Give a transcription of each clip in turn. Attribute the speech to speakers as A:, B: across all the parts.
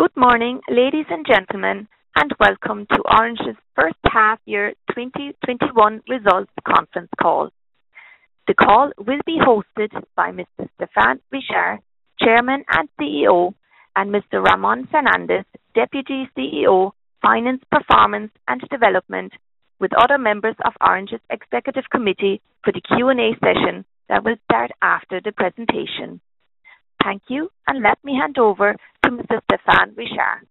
A: Good morning, ladies and gentlemen, and welcome to Orange's first half year 2021 results conference call. The call will be hosted by Mr Stéphane Richard, Chairman and CEO, and Mr Ramon Fernandez, Deputy CEO, Finance, Performance and Development, with other members of Orange's executive committee for the Q&A session that will start after the presentation. Thank you, and let me hand over to Mr Stéphane Richard.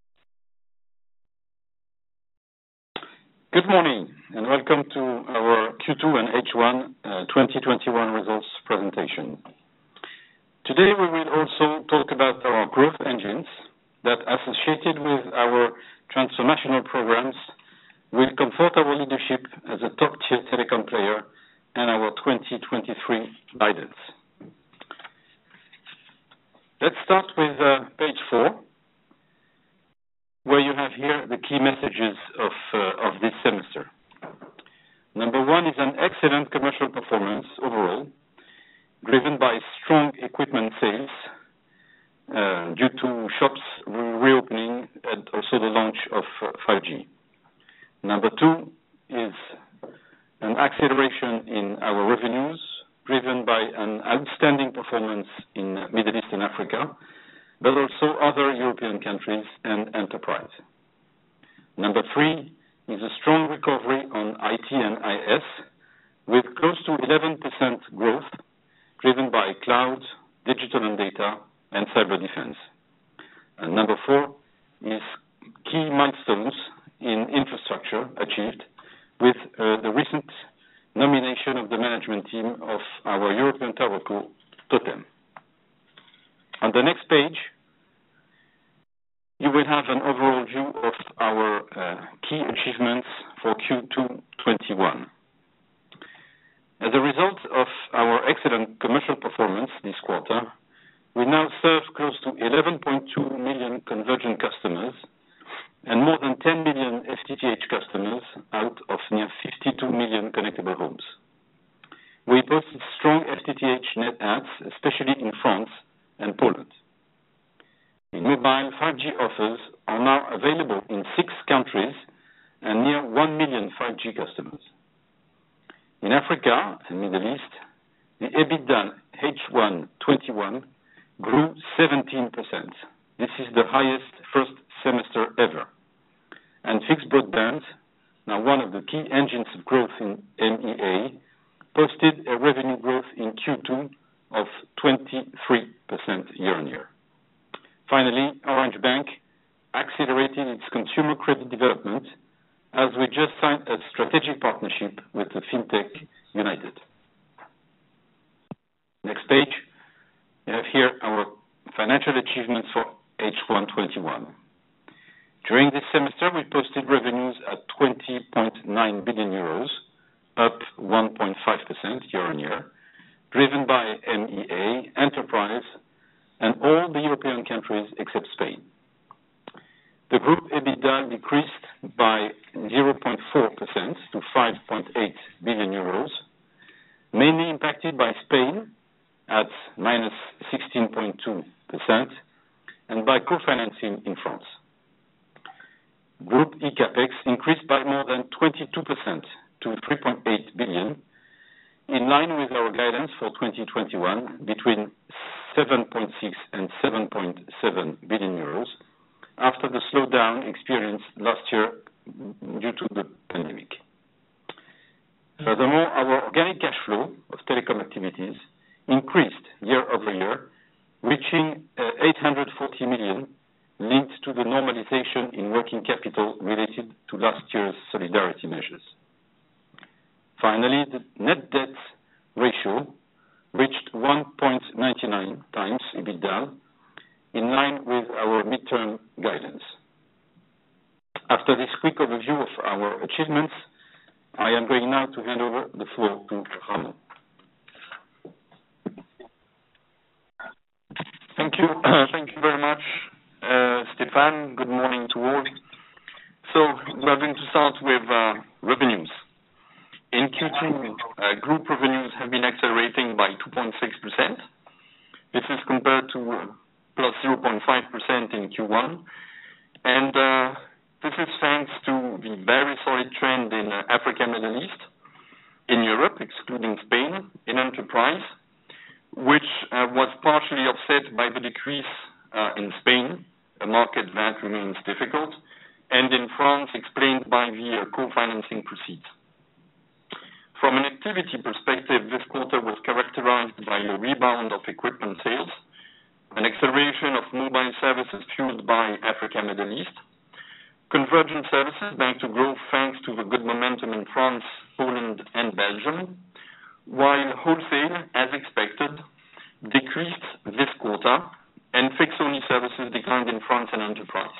B: Good morning, and welcome to our Q2 and H1 2021 results presentation. Today, we will also talk about our growth engines that associated with our transformational programs will convert our leadership as a top-tier telecom player in our 2023 guidance. Let's start with page four, where you have here the key messages of this semester. Number one is an excellent commercial performance overall, driven by strong equipment sales due to shops reopening and also the launch of 5G. Number two is an acceleration in our revenues, driven by an outstanding performance in Middle East and Africa, but also other European countries and enterprise. Number three is a strong recovery on IT and IS, with close to 11% growth driven by cloud, digital and data, and Cyberdefense. Number four is key milestones in infrastructure achieved with the recent nomination of the management team of our European TowerCo, TOTEM. On the next page, you will have an overall view of our key achievements for Q2 2021. As a result of our excellent commercial performance this quarter, we now serve close to 11.2 million convergent customers and more than 10 million FTTH customers out of near 52 million connectable homes. We posted strong FTTH net adds, especially in France and Poland. The mobile 5G offers are now available in six countries and near 1 million 5G customers. In Africa and Middle East, the EBITDA H1 2021 grew 17%. This is the highest first semester ever. Fixed broadband, now one of the key engines of growth in MEA, posted a revenue growth in Q2 of 23% year-on-year. Finally, Orange Bank accelerated its consumer credit development as we just signed a strategic partnership with fintech Younited. Next page, you have here our financial achievements for H1 2021. During this semester, we posted revenues at 20.9 billion euros, up 1.5% year-on-year, driven by MEA, enterprise, and all the European countries except Spain. The group EBITDA decreased by 0.4% to 5.8 billion euros, mainly impacted by Spain at -16.2% and by co-financing in France. Group eCAPEX increased by more than 22% to 3.8 billion, in line with our guidance for 2021 between 7.6 billion and 7.7 billion euros after the slowdown experienced last year due to the pandemic. Furthermore, our organic cash flow of telecom activities increased year-over-year, reaching 840 million, linked to the normalization in working capital related to last year's solidarity measures. Finally, the net debt ratio reached 1.99x EBITDA, in line with our mid-term guidance. After this quick overview of our achievements, I am going now to hand over the floor to Ramon.
C: Thank you. Thank you very much, Stéphane. Good morning to all. We are going to start with revenues. In Q2, group revenues have been accelerating by 2.6%. This is compared to +0.5% in Q1. This is thanks to the very solid trend in Africa, Middle East, in Europe, excluding Spain, in enterprise, which was partially offset by the decrease in Spain, a market that remains difficult, and in France explained by the co-financing proceeds. From an activity perspective, this quarter was characterized by a rebound of equipment sales, an acceleration of mobile services fueled by Africa, Middle East. Convergence services back to growth thanks to the good momentum in France, Poland, and Belgium. While wholesale, as expected, decreased this quarter, and fixed-only services declined in France and enterprise.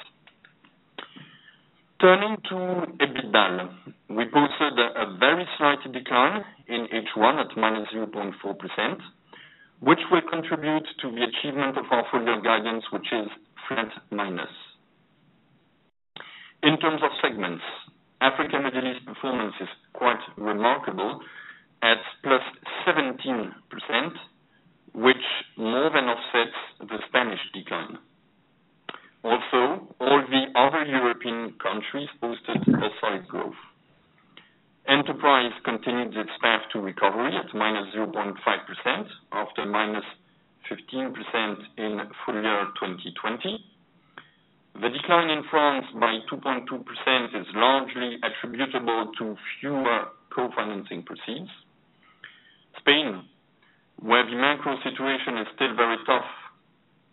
C: Turning to EBITDA, we posted a very slight decline in H1 at -0.4%, which will contribute to the achievement of our full year guidance, which is flat minus. Remarkable at +17%, which more than offsets the Spanish decline. Also, all the other European countries posted a slight growth. Enterprise continued its path to recovery at -0.5% after -15% in full year 2020. The decline in France by 2.2% is largely attributable to fewer co-financing proceeds. Spain, where the macro situation is still very tough,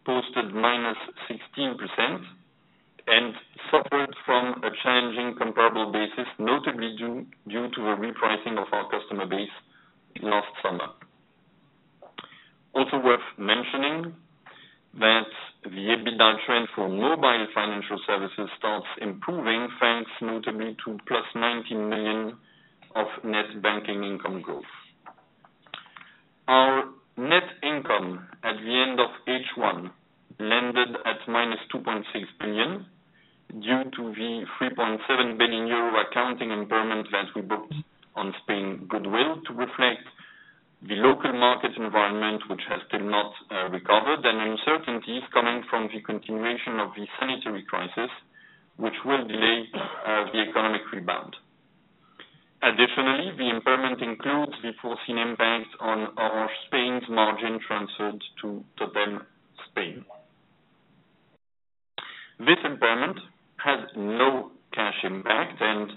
C: posted -16% and suffered from a challenging comparable basis, notably due to a repricing of our customer base last summer. Also worth mentioning that the EBITDA trend for mobile financial services starts improving, thanks notably to +19 million of net banking income growth. Our net income at the end of H1 landed at -2.6 billion, due to the 3.7 billion euro accounting impairment that we booked on Orange Spain goodwill to reflect the local market environment, which has still not recovered, and uncertainties coming from the continuation of the sanitary crisis, which will delay the economic rebound. Additionally, the impairment includes the foreseen impact on Orange Spain's margin transferred to TOTEM Spain. This impairment has no cash impact, and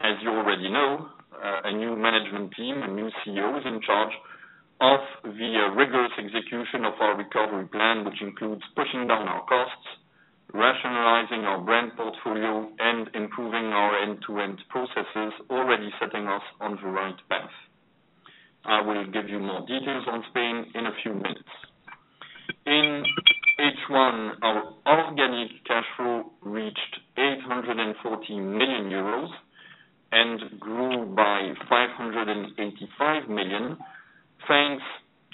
C: as you already know, a new management team, a new CEO is in charge of the rigorous execution of our recovery plan, which includes pushing down our costs, rationalizing our brand portfolio, and improving our end-to-end processes, already setting us on the right path. I will give you more details on Spain in a few minutes. In H1, our organic cash flow reached 840 million euros and grew by 585 million, thanks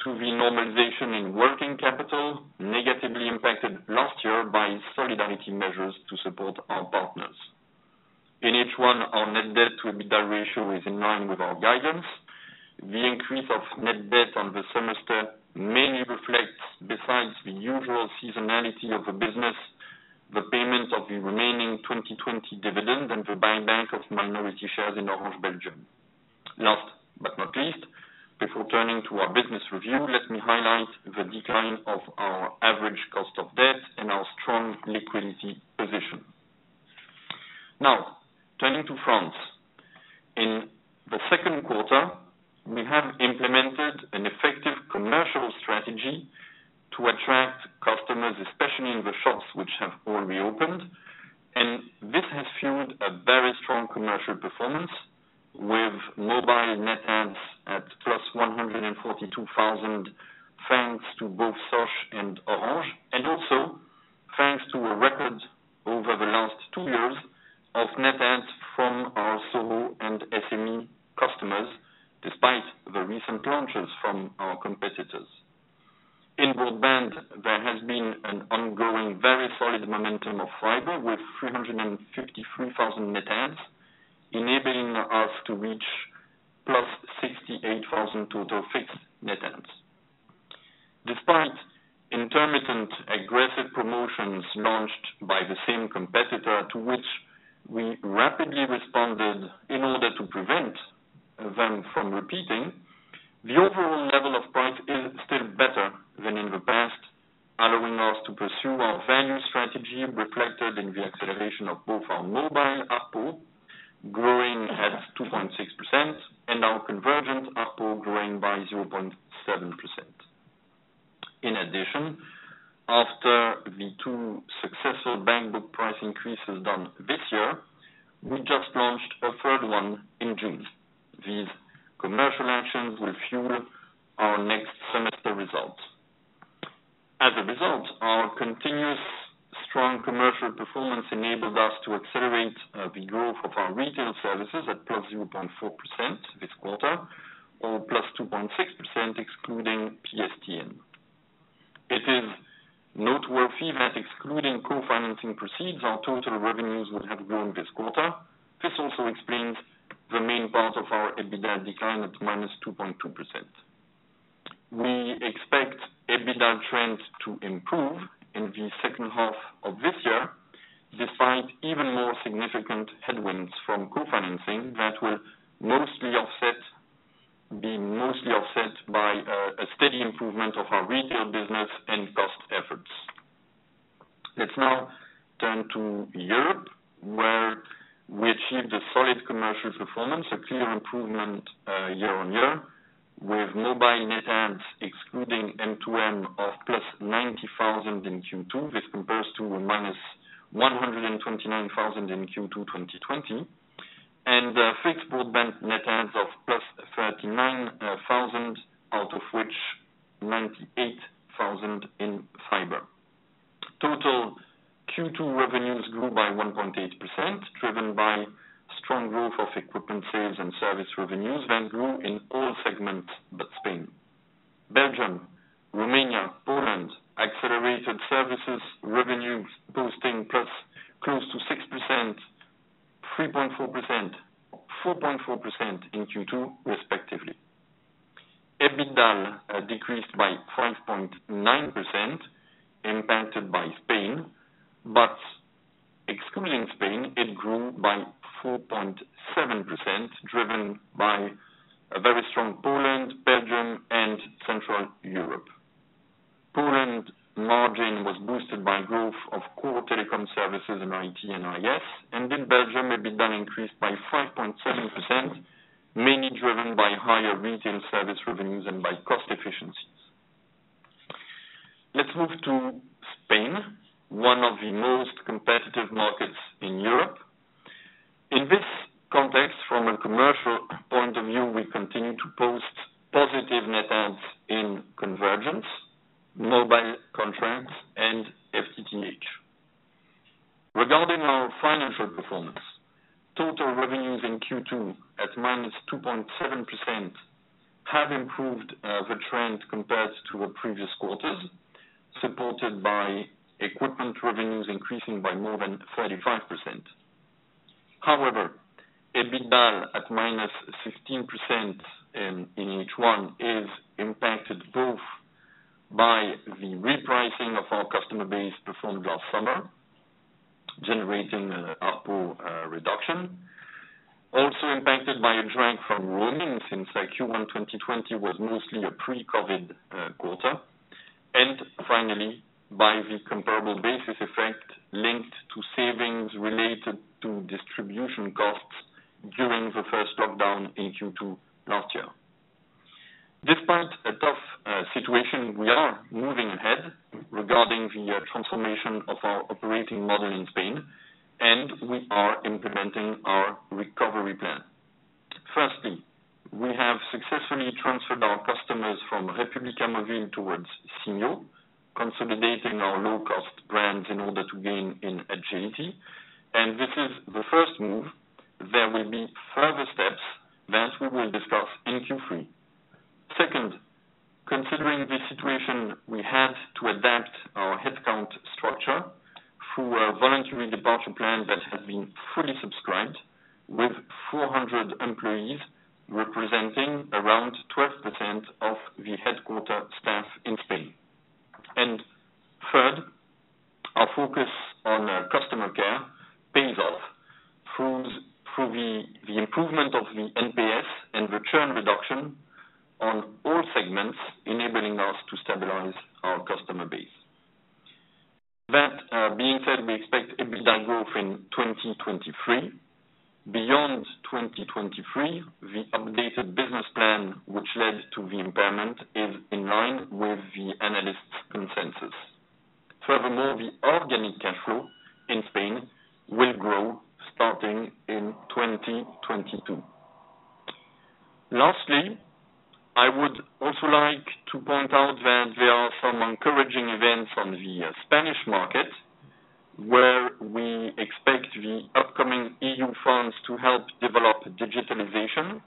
C: to the normalization in working capital, negatively impacted last year by solidarity measures to support our partners. In H1, our net debt to EBITDA ratio is in line with our guidance. The increase of net debt on the semester mainly reflects, besides the usual seasonality of the business, the payment of the remaining 2020 dividend and the buyback of minority shares in Orange Belgium. Last but not least, before turning to our business review, let me highlight the decline of our average cost of debt and our strong liquidity position. Now, turning to France. In the second quarter, we have implemented an effective commercial strategy to attract customers, especially in the shops which have all reopened. This has fueled a very strong commercial performance with mobile net adds at +142,000, thanks to both Sosh and Orange, and also thanks to a record over the last two years of net adds from our SoHo and SME customers, despite the recent launches from our competitors. In broadband, there has been an ongoing, very solid momentum of fiber with 353,000 net adds, enabling us to reach +68,000 total fixed net adds. Despite intermittent aggressive promotions launched by the same competitor to which we rapidly responded in order to prevent them from repeating, the overall level of price is still better than in the past, allowing us to pursue our value strategy reflected in the acceleration of both our mobile ARPU, growing at 2.6%, and our convergent ARPU, growing by 0.7%. In addition, after the two successful back book price increases done this year, we just launched a third one in June. These commercial actions will fuel our next semester results. As a result, our continuous strong commercial performance enabled us to accelerate the growth of our retail services at +0.4% this quarter or +2.6% excluding PSTN. It is noteworthy that, excluding co-financing proceeds, our total revenues would have grown this quarter. This also explains the main part of our EBITDA decline at -2.2%. We expect EBITDA trend to improve in the second half of this year, despite even more significant headwinds from co-financing that will be mostly offset by a steady improvement of our retail business and cost efforts. Let's now turn to Europe, where we achieved a solid commercial performance, a clear improvement year on employees, representing around 12% of the headquarters staff in Spain. Third, our focus on customer care pays off through the improvement of the NPS and churn reduction on all segments, enabling us to stabilize our customer base. That being said, we expect EBITDA growth in 2023. Beyond 2023, the updated business plan, which led to the impairment, is in line with the analysts' consensus. Furthermore, the organic cash flow in Spain will grow starting in 2022. Lastly, I would also like to point out that there are some encouraging events on the Spanish market, where we expect the upcoming EU funds to help develop digitalization.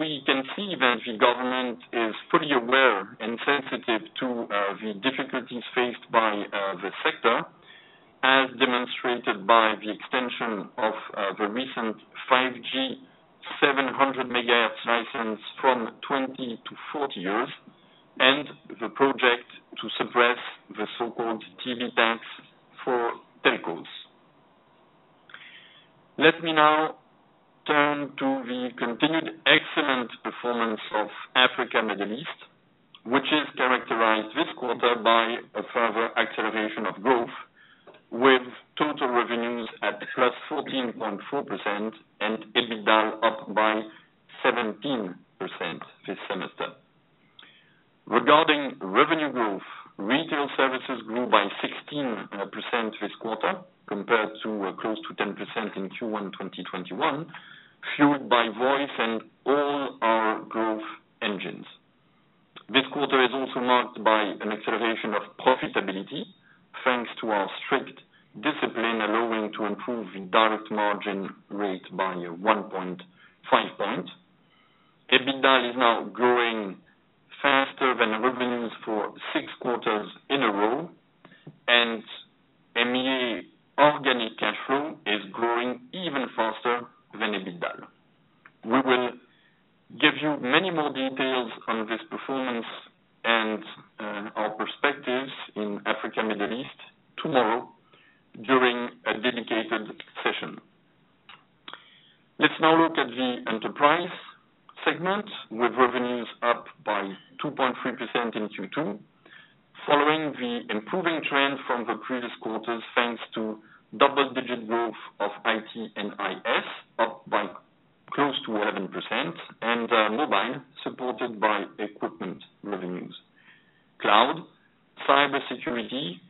C: We can see that the government is fully aware and sensitive to the difficulties faced by the sector, as demonstrated by the extension of the recent 5G 700 MHz license from 20 to 40 years, and the project to suppress the so-called TV tax for telcos. Let me now turn to the continued excellent performance of Africa & Middle East, which is characterized this quarter by a further acceleration of growth, with total revenues at +14.4% and EBITDA up by 17% this semester. Regarding revenue growth, retail services grew by 16% this quarter compared to close to 10% in Q1 2021, fueled by voice and all our growth engines. This quarter is also marked by an acceleration of profitability, thanks to our strict discipline allowing to improve the direct margin rate by 1.5 points. EBITDA is now growing faster than revenues for 6 quarters in a row, and MEA organic cash flow is growing even faster than EBITDA. We will give you many more details on this performance and our perspectives in Africa, Middle East, tomorrow during a dedicated session. Let's now look at the enterprise segment, with revenues up by 2.3% in Q2, following the improving trend from the previous quarters, thanks to double-digit growth of IT and IS up by close to 11% and mobile supported by equipment revenues. Cloud, cybersecurity, digital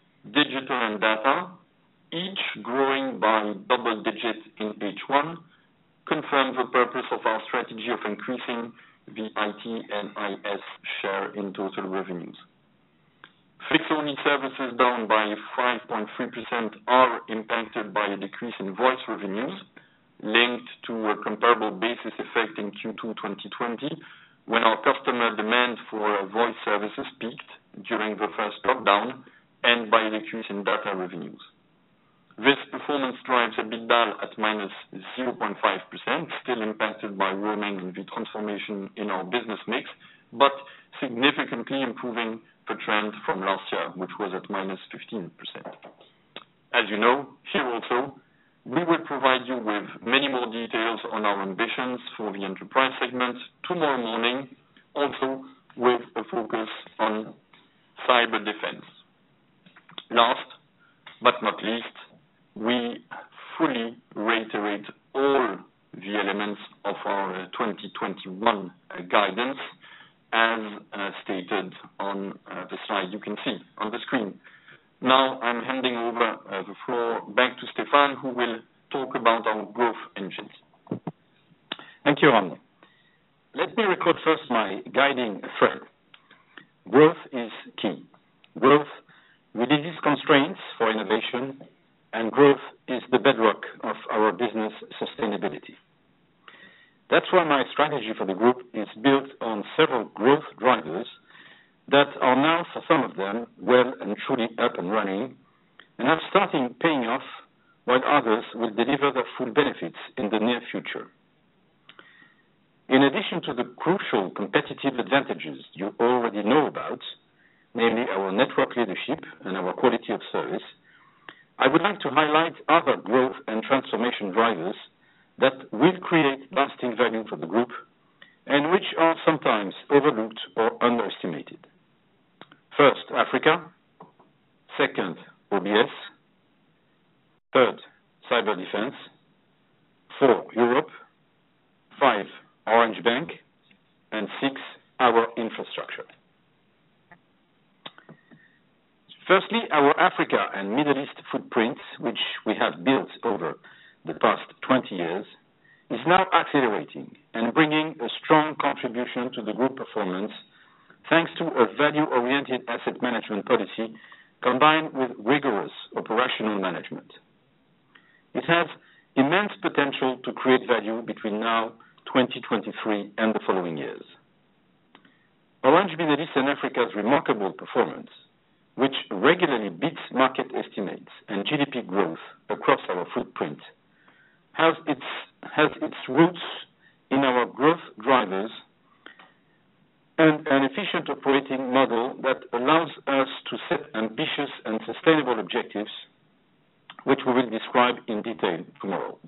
B: which we will describe in detail tomorrow.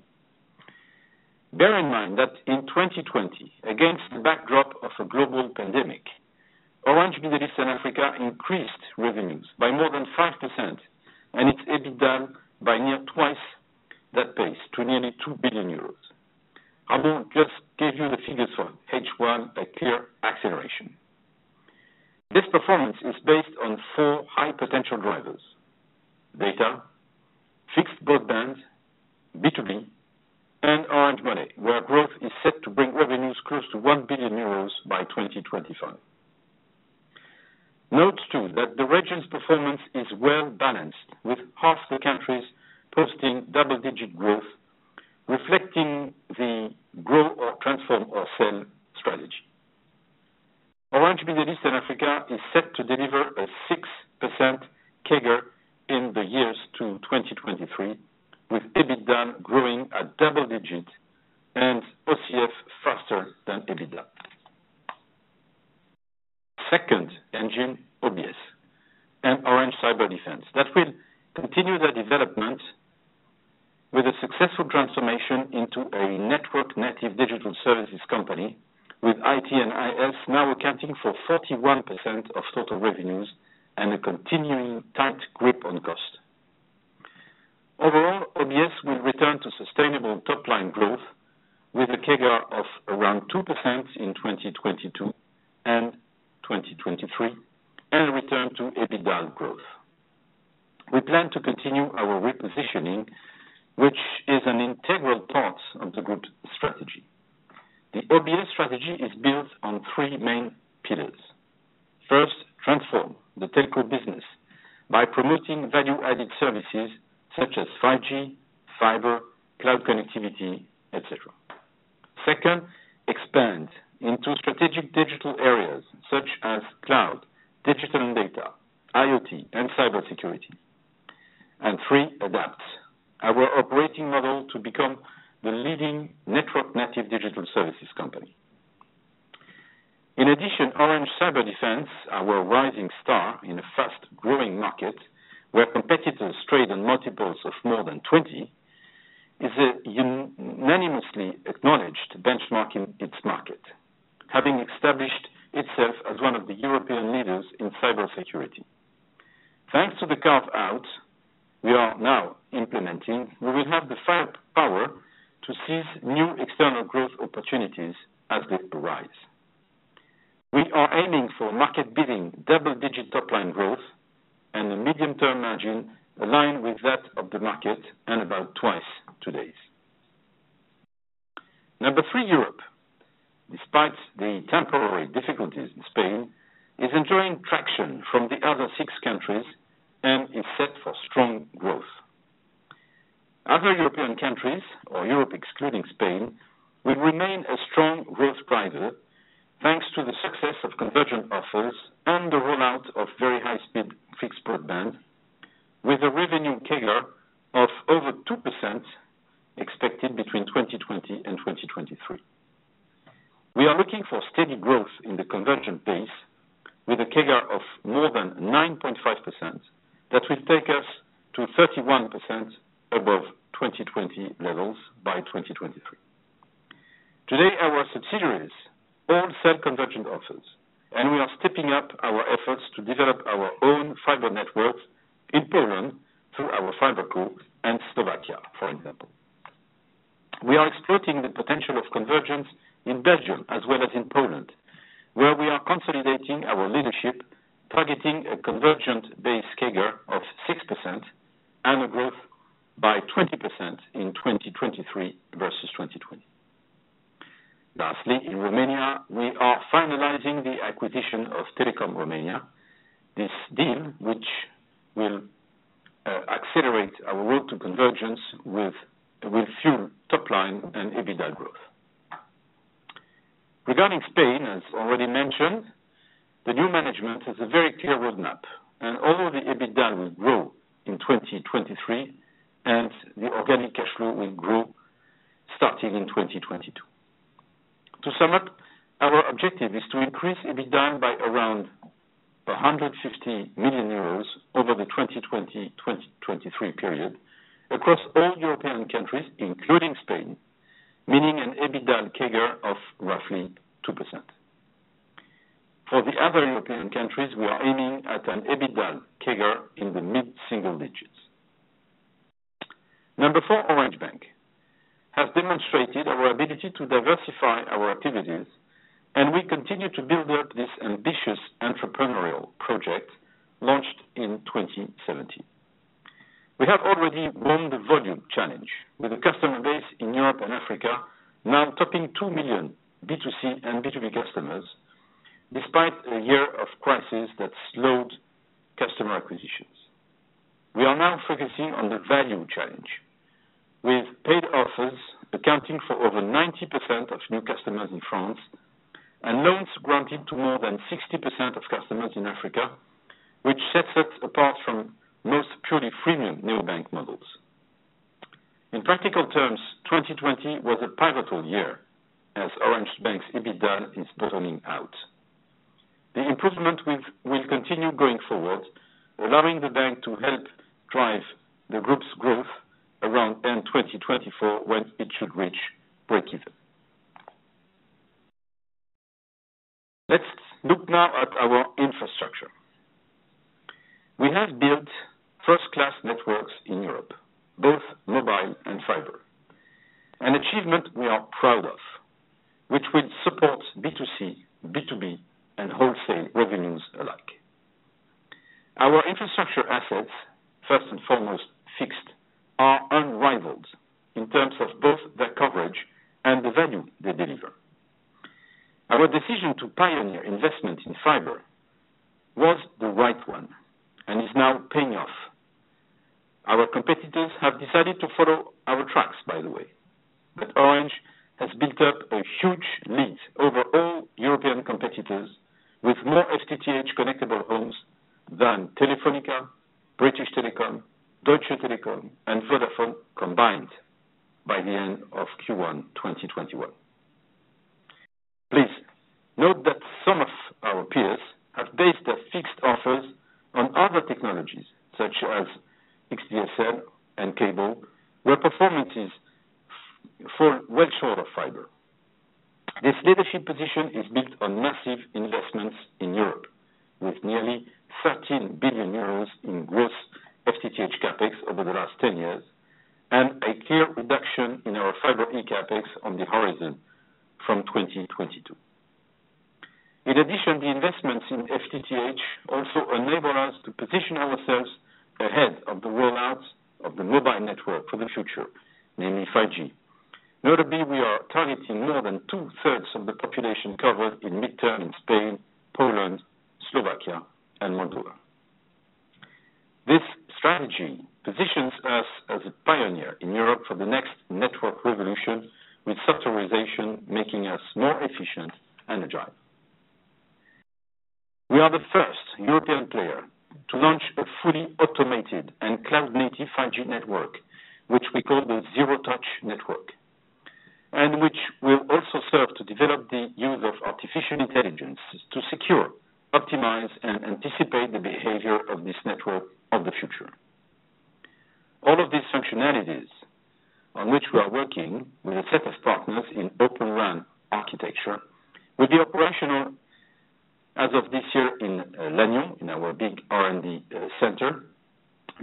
B: Bear in mind that in 2020, against the backdrop of a global pandemic, Orange Middle East and Africa increased revenues by more than 5%, and its EBITDA by near twice that pace to nearly 2 billion euros. Ramon just gave you the figures for H1, a clear acceleration. This performance is based on four high-potential drivers, data, fixed broadband, B2B, and Orange Money, where growth is set to bring revenues close to 1 billion euros by 2025. Note too that the region's performance is well-balanced, with half the countries posting double-digit growth, reflecting the grow or transform or sell strategy. Orange Middle East and Africa is set to deliver a 6% CAGR in the years to 2023, with EBITDA growing at double-digit and OCF faster than EBITDA. Second engine, OBS and Orange Cyberdefense. That will continue the development with a successful transformation into a network-native digital services company with IT and IS now accounting for 41% of total revenues and a continuing tight grip on cost. Overall, OBS will return to sustainable top-line growth with a CAGR of around 2% in 2022 and 2023, and return to EBITDA growth. We plan to continue our repositioning, which is an integral part of the group strategy. The OBS strategy is built on three main pillars. First, transform the telco business by promoting value-added services such as 5G, fiber, cloud connectivity, etc. Second, expand into strategic digital areas such as cloud, digital and data, IoT, and cybersecurity. Three, adapt our operating model to become the leading network-native digital services company. In addition, Orange Cyberdefense, our rising star in a fast-growing market where competitors trade on multiples of more than 20, is unanimously acknowledged benchmarking its market, having established itself as one of the European leaders in cybersecurity. Thanks to the carve-out we are now implementing, we will have the firepower to seize new external growth opportunities as they arise. We are aiming for market-beating double-digit top-line growth and a medium-term margin aligned with that of the market and about twice today's. Number three, Europe. Despite the temporary setback, set for strong growth. Other European countries or Europe excluding Spain, will remain a strong growth driver, thanks to the success of convergent offers and the rollout of very high-speed fixed broadband, with a revenue CAGR of over 2% expected between 2020 and 2023. We are looking for steady growth in the convergent base with a CAGR of more than 9.5% that will take us to 31% above 2020 levels by 2023. Today, our subsidiaries all sell convergent offers, and we are stepping up our efforts to develop our own fiber networks in Poland through our fiber co and Slovakia, for example. We are exploiting the potential of convergence in Belgium as well as in Poland, where we are consolidating our leadership, targeting a convergent-based CAGR of 6% and a growth by 20% in 2023 versus 2020. Lastly, in Romania, we are finalizing the acquisition of Telekom Romania. This deal, which will accelerate our route to convergence with strong top-line and EBITDA growth. Regarding Spain, as already mentioned, the new management has a very clear roadmap, and all of the EBITDA will grow in 2023, and the organic cash flow will grow starting in 2022. To sum up, our objective is to increase EBITDA by around 150 million euros over the 2020-2023 period across all European countries, including Spain, meaning an EBITDA CAGR of roughly 2%. For the other European countries, we are aiming at an EBITDA CAGR in the mid-single digits. Number four, Orange Bank has demonstrated our ability to diversify our activities, and we continue to build up this ambitious entrepreneurial project launched in 2017. We have already won the volume challenge with a customer base in Europe and Africa now topping 2 million B2C and B2B customers, despite a year of crisis that slowed customer acquisitions. We are now focusing on the value challenge, with paid offers accounting for over 90% of new customers in France and loans granted to more than 60% of customers in Africa, which sets us apart from most purely freemium neobank models. In practical terms, 2020 was a pivotal year as Orange Bank's EBITDA is bottoming out. The improvement will continue going forward, allowing the bank to help drive the group's growth around end 2024 when it should reach breakeven. Let's look now at our infrastructure. We have built first-class networks in Europe, both mobile and fiber. An achievement we are proud of, which will support B2C, B2B, and wholesale revenues alike. Our infrastructure assets, first and foremost, fixed, are unrivaled in terms of both the coverage and the value they deliver. Our decision to pioneer investment in fiber was the right one and is now paying off. Our competitors have decided to follow our tracks, by the way, but Orange has built up a huge lead over all European competitors with more FTTH connectable homes than Telefónica, British Telecom, Deutsche Telekom, and Vodafone combined by the end of Q1 2021. Please note that some of our peers have based their fixed offers on other technologies, such as xDSL and cable, where performance falls well short of fiber. This leadership position is built on massive investments in Europe, with nearly 13 billion euros in gross FTTH CapEx over the last 10 years, and a clear reduction in our fiber eCAPEX on the horizon from 2022. In addition, the investments in FTTH also enable us to position ourselves ahead of the rollout of the mobile network for the future, namely 5G. Notably, we are targeting more than two-thirds of the population covered in midterm in Spain, Poland, Slovakia, and Moldova. This strategy positions us as a pioneer in Europe for the next network revolution, with softwarization making us more efficient and agile. We are the first European player to launch a fully automated and cloud-native 5G network, which we call the zero-touch network, and which will also serve to develop the use of artificial intelligence to secure, optimize, and anticipate the behaviour of this network of the future. All of these functionalities on which we are working with a set of partners in Open RAN architecture, will be operational as of this year in Lannion, in our big R&D center,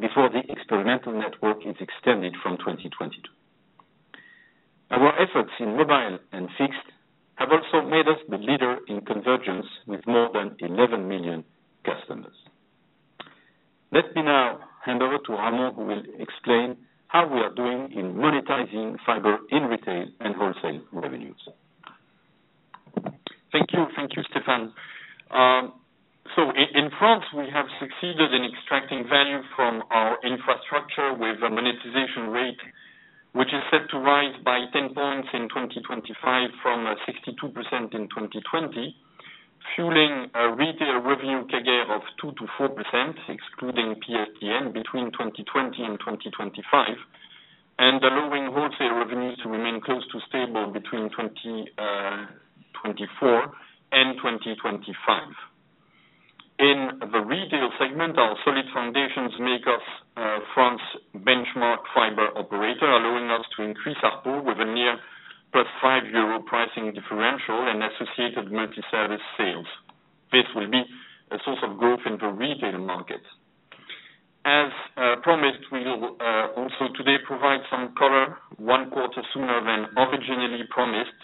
B: before the experimental network is extended from 2022. Our efforts in mobile and fixed have also made us the leader in convergence with more than 11 million customers. Let me now hand over to Ramon, who will explain how we are doing in monetizing fiber in retail and wholesale revenues.
C: Thank you, Stéphane. In France, we have succeeded in extracting value from our infrastructure with a monetization rate which is set to rise by 10 points in 2025 from 62% in 2020, fueling a retail revenue CAGR of 2%-4% excluding PSTN between 2020 and 2025, and allowing wholesale revenues to remain close to stable between 2024 and 2025. In the retail segment, our solid foundations make us France's benchmark fiber operator, allowing us to increase ARPU with a near +5 euro pricing differential and associated multi-service sales. This will be a source of growth in the retail market. As promised, we will also today provide some color one quarter sooner than originally promised,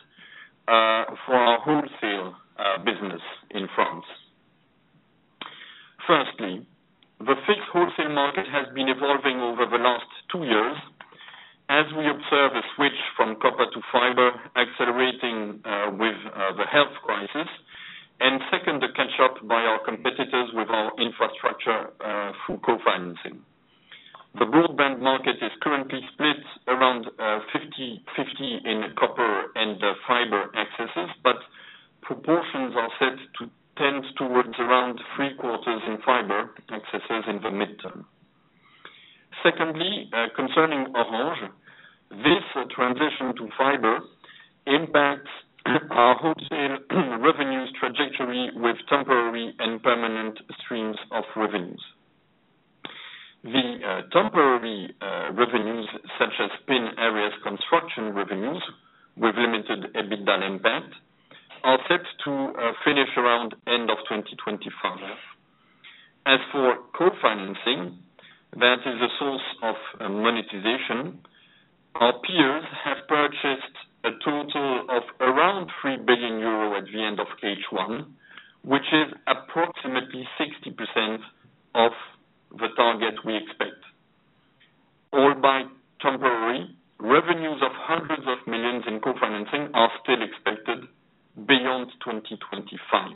C: for our wholesale business in France. Firstly, the fixed wholesale market has been evolving over the last two years as we observe a switch from copper to fiber accelerating with the health crisis. Second, the catch-up by our competitors with our infrastructure through co-financing. The broadband market is currently split around 50/50 in copper and fiber accesses, but proportions are set to tend towards around three-quarters in fiber accesses in the medium term. Secondly, concerning Orange, this transition to fiber impacts our wholesale revenues trajectory with temporary and permanent streams of revenues. The temporary revenues, such as PIN areas construction revenues with limited EBITDA impact, are set to finish around end of 2025. As for co-financing, that is a source of monetization. Our peers have purchased a total of around 3 billion euro at the end of H1, which is approximately 60% of the target we expect. All the temporary revenues of EUR hundreds of millions in co-financing are still expected beyond 2025.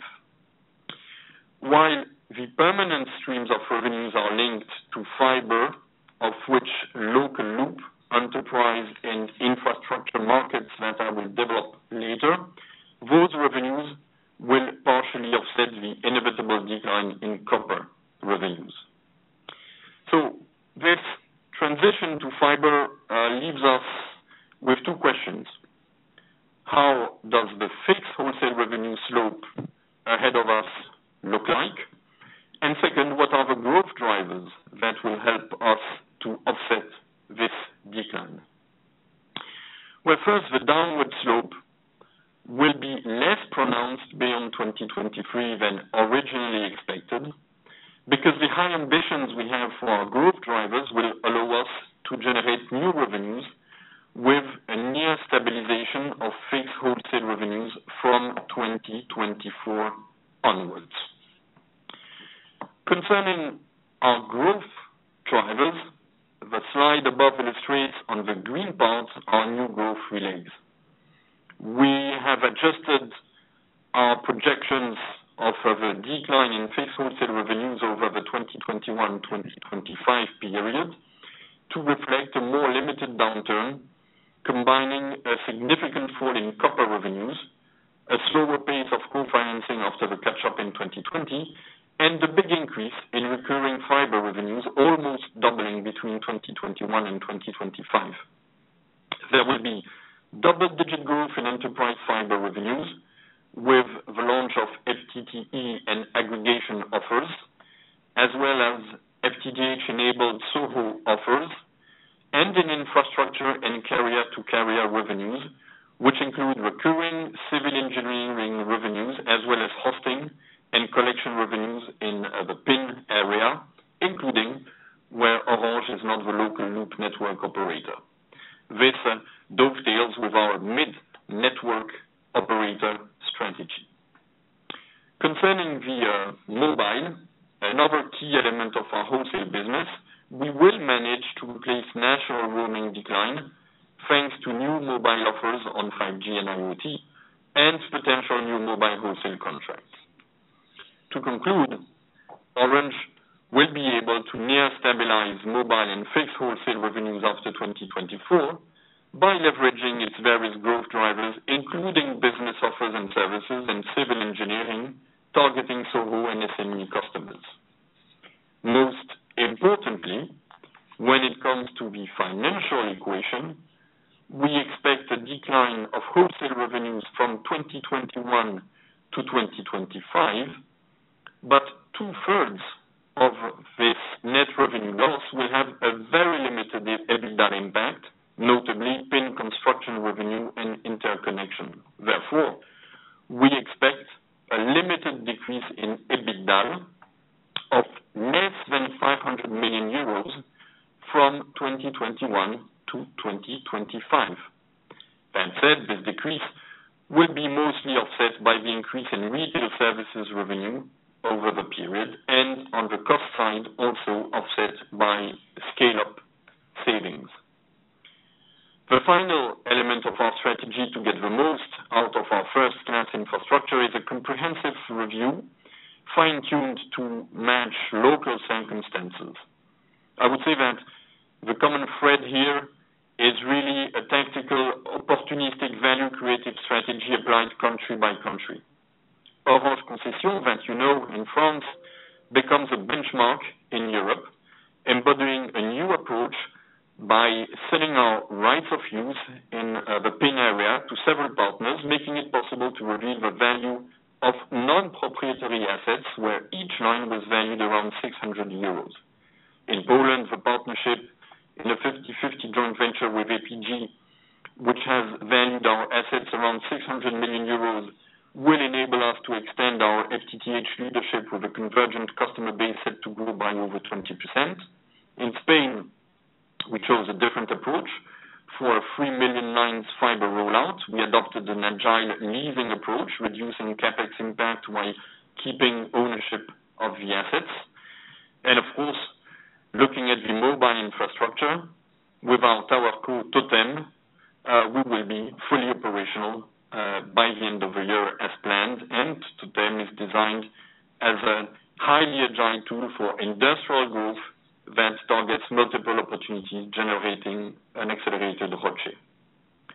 C: While the permanent streams of revenues are linked to fiber, of which local loop enterprise and infrastructure markets that I will develop later, those revenues will partially offset the inevitable decline in copper revenues. This transition to fiber leaves us with two questions. How does the fixed wholesale revenue slope ahead of us look like? And second, what are the growth drivers that will help us to offset this decline? Well, first, the downward slope will be less pronounced beyond 2023 than originally expected, because the high ambitions we have for our growth drivers will allow us to generate new revenues with a near stabilization of fixed wholesale revenues from 2024 onwards. Concerning our growth drivers, the slide above illustrates on the green parts our new growth relays. We have adjusted our projections of the decline in fixed wholesale revenues over the 2021/2025 period to reflect a more limited downturn, combining a significant fall in copper revenues, a slower pace of co-financing after the catch-up in 2020, and a big increase in recurring fiber revenues, almost doubling between 2021 and 2025. There will be double-digit growth in enterprise fiber revenues with the launch of FTTE and aggregation offers, as well as FTTH-enabled SoHo offers, and in infrastructure and carrier-to-carrier revenues, which include recurring civil engineering revenues, as well as hosting and collection revenues in the PIN area, including where Orange is not the local loop network operator. This dovetails with our mid-network operator strategy. Concerning mobile, another key element of our wholesale business, we will manage to replace natural roaming decline, thanks to new mobile offers on 5G and IoT, and potential new mobile wholesale contracts. To conclude, Orange will be able to near stabilize mobile and fixed wholesale revenues after 2024 by leveraging its various growth drivers, including business offers and services and civil engineering, targeting SoHo and SME customers. Most importantly, when it comes to the financial equation, we expect a decline of wholesale revenues from 2021 to 2025. Two-thirds of this net revenue loss will have a very limited EBITDA impact, notably PIN construction revenue and interconnection. Therefore, we expect a limited decrease in EBITDA of less than 500 million euros from 2021 to 2025. That said, this decrease will be mostly offset by the increase in retail services revenues. Strategy to get the most out of our first-class infrastructure is a comprehensive review, fine-tuned to match local circumstances. I would say that the common thread here is really a tactical, opportunistic, value creative strategy applied country by country. Orange Concessions, that in France, becomes a benchmark in Europe, embodying a new approach by selling our rights of use in the PIN area to several partners, making it possible to reveal the value of non-proprietary assets where each line was valued around 600 euros. In Poland, the partnership in a 50/50 joint venture with APG, which has valued our assets around 600 million euros, will enable us to extend our FTTH leadership with a convergent customer base set to grow by over 20%. In Spain, we chose a different approach. For a 3 million lines fiber rollout, we adopted an agile leasing approach, reducing CapEx impact while keeping ownership of the assets. Of course, looking at the mobile infrastructure with our TowerCo TOTEM, we will be fully operational by the end of the year as planned. TOTEM is designed as a highly agile tool for industrial growth that targets multiple opportunities, generating an accelerated.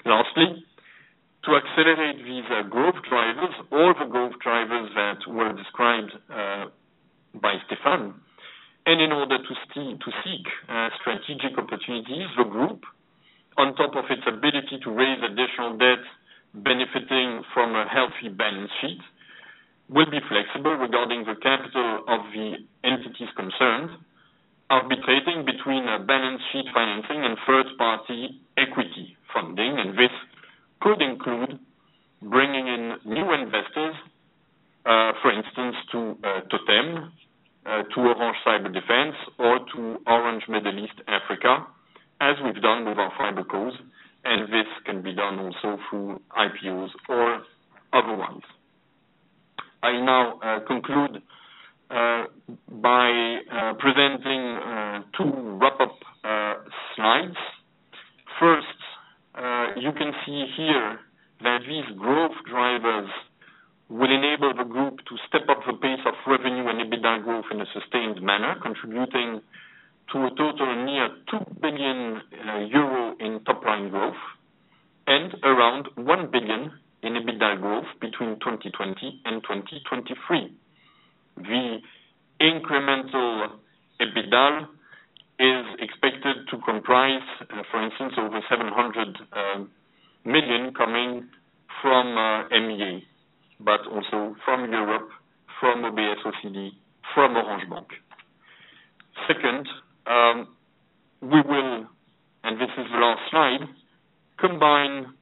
C: Lastly, to accelerate these growth drivers, all the growth drivers that were described by Stéphane, and in order to seek strategic opportunities, the group, on top of its ability to raise additional debt benefiting from a healthy balance sheet, will be flexible regarding the capital of the entities concerned, arbitrating between a balance sheet financing and third-party equity funding. This could include bringing in new investors, for instance, to TOTEM, to Orange Cyberdefense, or to Orange Middle East and Africa, as we've done with our fiber cos. This can be done also through IPOs or other ones. I now conclude by presenting two wrap-up slides. First, you can see here that these growth drivers will enable the group to step up the pace of revenue and EBITDA growth in a sustained manner. Contributing to a total near 2 billion euro in top line growth and around 1 billion in EBITDA growth between 2020 and 2023. The incremental EBITDA is expected to comprise, for instance, over 700 million coming from MEA, but also from Europe, from OBS, OCD, from Orange Bank. Second, we will, and this is the last slide, combine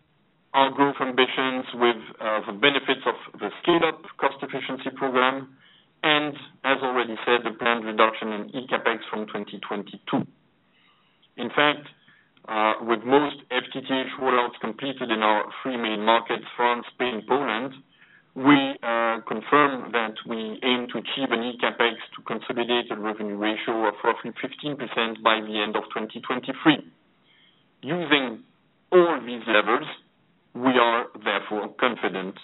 C: our growth ambitions with the benefits of the Scale Up cost efficiency program and, as already said, the planned reduction in eCAPEX from 2022. In fact, with most FTTH roll-outs completed in our three main markets, France, Spain, Poland, we confirm that we aim to achieve an eCAPEX to consolidated revenue ratio of roughly 15% by the end of 2023. Using all these levers, we are therefore confident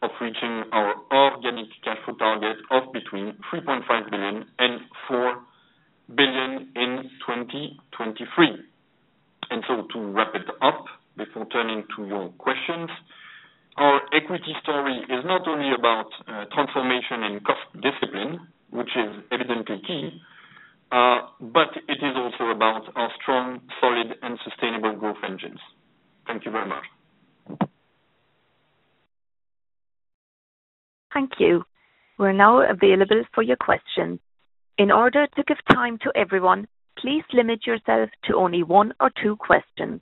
C: of reaching our organic cash flow target of between 3.5 billion and 4 billion in 2023. To wrap it up, before turning to your questions, our equity story is not only about transformation and cost discipline, which is evidently key, but it is also about our strong, solid, and sustainable growth engines. Thank you very much.
A: Thank you. We're now available for your questions. In order to give time to everyone, please limit yourself to only one or two questions.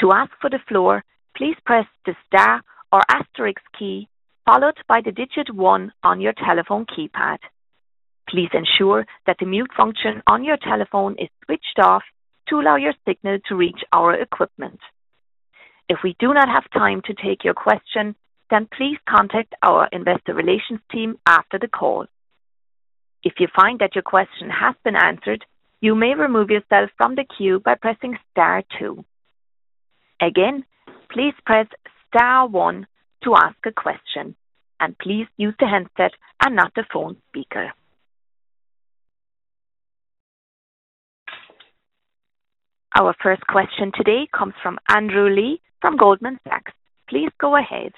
A: To ask for the floor, please press the star or asterisk key followed by the digit one on your telephone keypad. Please ensure that the mute function on your telephone is switched off to allow your signal to reach our equipment. If we do not have time to take your question, then please contact our investor relations team after the call. If you find that your question has been answered, you may remove yourself from the queue by pressing star two. Again, please press star one to ask a question and please use the handset and not the phone speaker. Our first question today comes from Andrew Lee from Goldman Sachs. Please go ahead.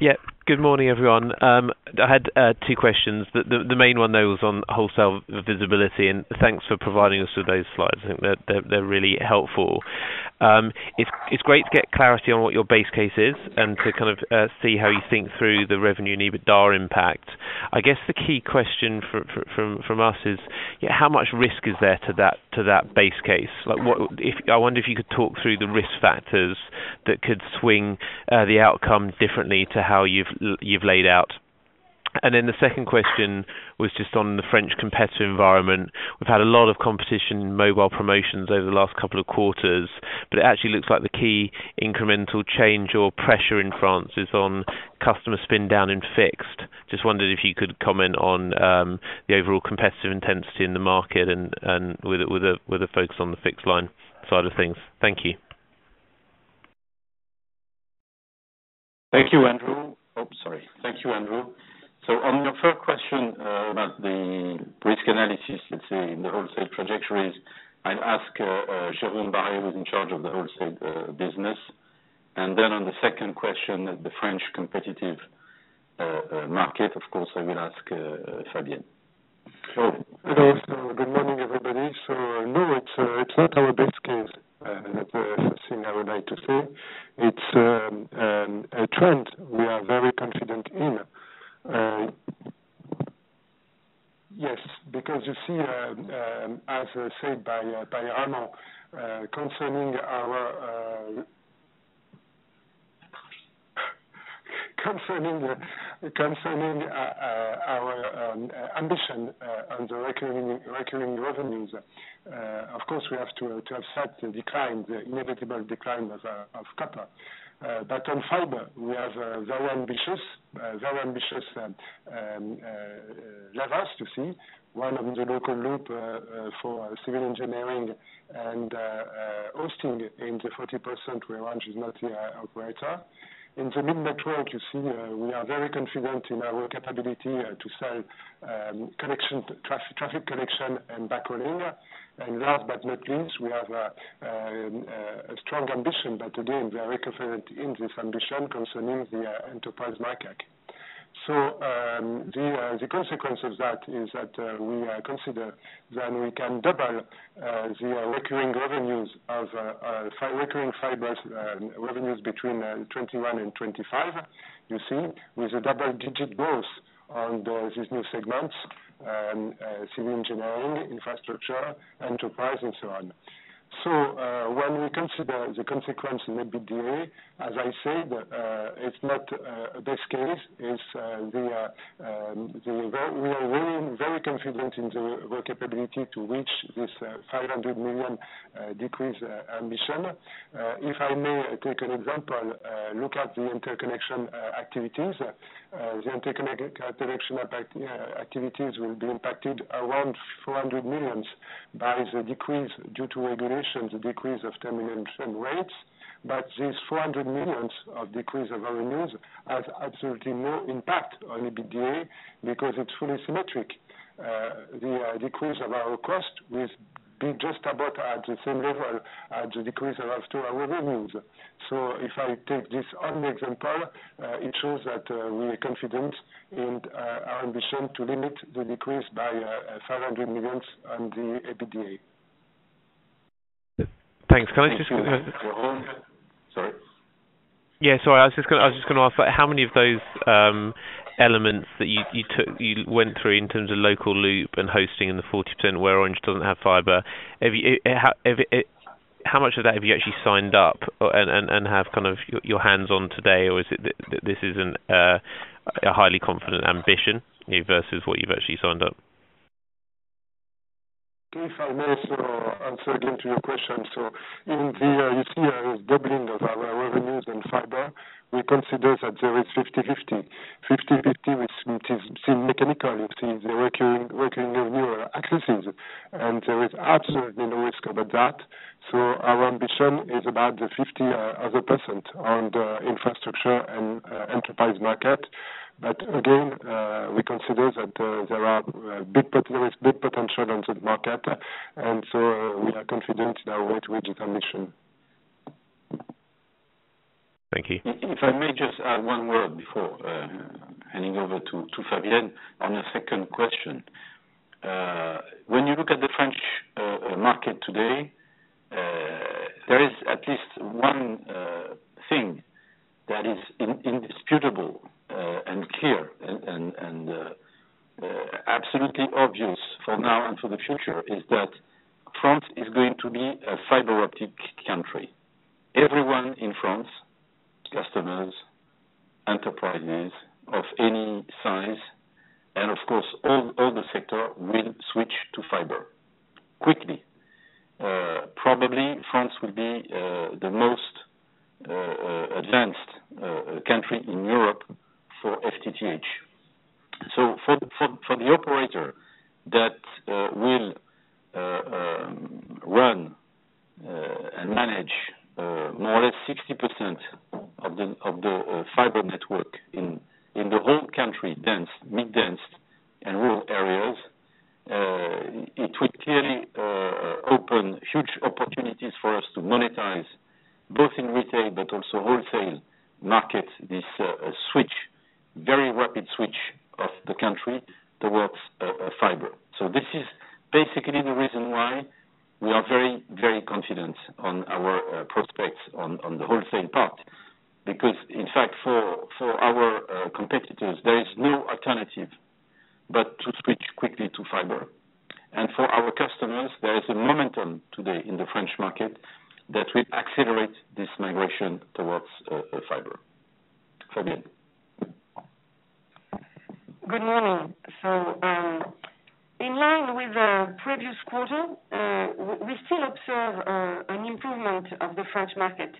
D: Yeah. Good morning, everyone. I had two questions. The main one, though, is on wholesale visibility and thanks for providing us with those slides. I think that they're really helpful. It's great to get clarity on what your base case is and to kind of see how you think through the revenue EBITDA impact. I guess the key question from us is, yeah, how much risk is there to that base case? Like, I wonder if you could talk through the risk factors that could swing the outcome differently to how you've laid out. Then the second question was just on the French competitive environment. We've had a lot of competition in mobile promotions over the last couple of quarters, but it actually looks like the key incremental change or pressure in France is on customer spin-down and fixed. Just wondered if you could comment on the overall competitive intensity in the market, and with a focus on the fixed line side of things. Thank you.
B: Thank you, Andrew. On your first question, about the risk analysis, let's say the wholesale trajectories, I'd ask Jérôme Barré, who's in charge of the wholesale business. On the second question, the French competitive market, of course, I will ask Fabienne.
E: Hello. Good morning, everybody. No, it's not our best case, that first thing I would like to say. It's a trend we are very confident in. Yes, because you see, as said by Ramon, concerning our ambition on the recurring revenues, of course, we have to offset the decline, the inevitable decline of copper. On fiber, we are very ambitious levels to see one of the local loop for civil engineering and hosting in the 40% where Orange is not the operator. In the mid-network, you see, we are very confident in our capability to sell connection traffic connection and backhauling. Last but not least, we have a strong ambition, but again, very confident in this ambition concerning the enterprise market. The consequence of that is that we consider we can double the recurring revenues of fiber recurring revenues between 2021 and 2025, you see, with a double-digit growth on these new segments, civil engineering, infrastructure, enterprise and so on. When we consider the consequence in the EBITDA, as I said, it's not a best case. It's the we are very confident in the capability to reach this 500 million decrease ambition. If I may take an example, look at the interconnection activities. The interconnection activities will be impacted around 400 million by the decrease due to regulations, the decrease of termination rates. These 400 million of decrease of revenues has absolutely no impact on EBITDA because it's fully symmetric. The decrease of our cost will be just about at the same level as the decrease to our revenues. If I take this one example, it shows that we are confident in our ambition to limit the decrease by 500 million on the EBITDA.
D: Thanks.
B: Thank you, Jérôme.
D: Yeah, sorry. I was just gonna ask how much of those elements that you took you went through in terms of local loop and hosting in the 40% where Orange doesn't have fiber have you actually signed up and have kind of your hands on today? Or is it that this isn't a highly confident ambition versus what you've actually signed up?
E: If I may also answer again to your question. In the, you see a doubling of our revenues in fiber, we consider that there is 50/50. 50/50, which is still mechanical. You see the recurring annual accesses, and there is absolutely no risk about that. Our ambition is about the other 50% on the infrastructure and enterprise market. We consider that there is big potential on that market, and we are confident in our way to reach our ambition.
D: Thank you.
B: If I may just add one word before handing over to Fabienne on your second question. When you look at the French market today, there is at least one thing that is indisputable, and clear and absolutely obvious for now and for the future is that France is going to be a fiber optic country. Everyone in France, customers, enterprises of any size and of course all the sector will switch to fiber quickly. Probably, France will be the most advanced country in Europe for FTTH. For the operator that will run and manage more or less 60% of the fiber network in the whole country, dense, mid-dense and rural areas, it will clearly open huge opportunities for us to monetize both in retail but also wholesale market, this very rapid switch of the country towards fiber. This is basically the reason why we are very confident on our prospects on the wholesale part, because in fact, for our competitors, there is no alternative but to switch quickly to fiber. For our customers, there is a momentum today in the French market that will accelerate this migration towards fiber. Fabienne.
F: Good morning. In line with the previous quarter, we still observe an improvement of the French market.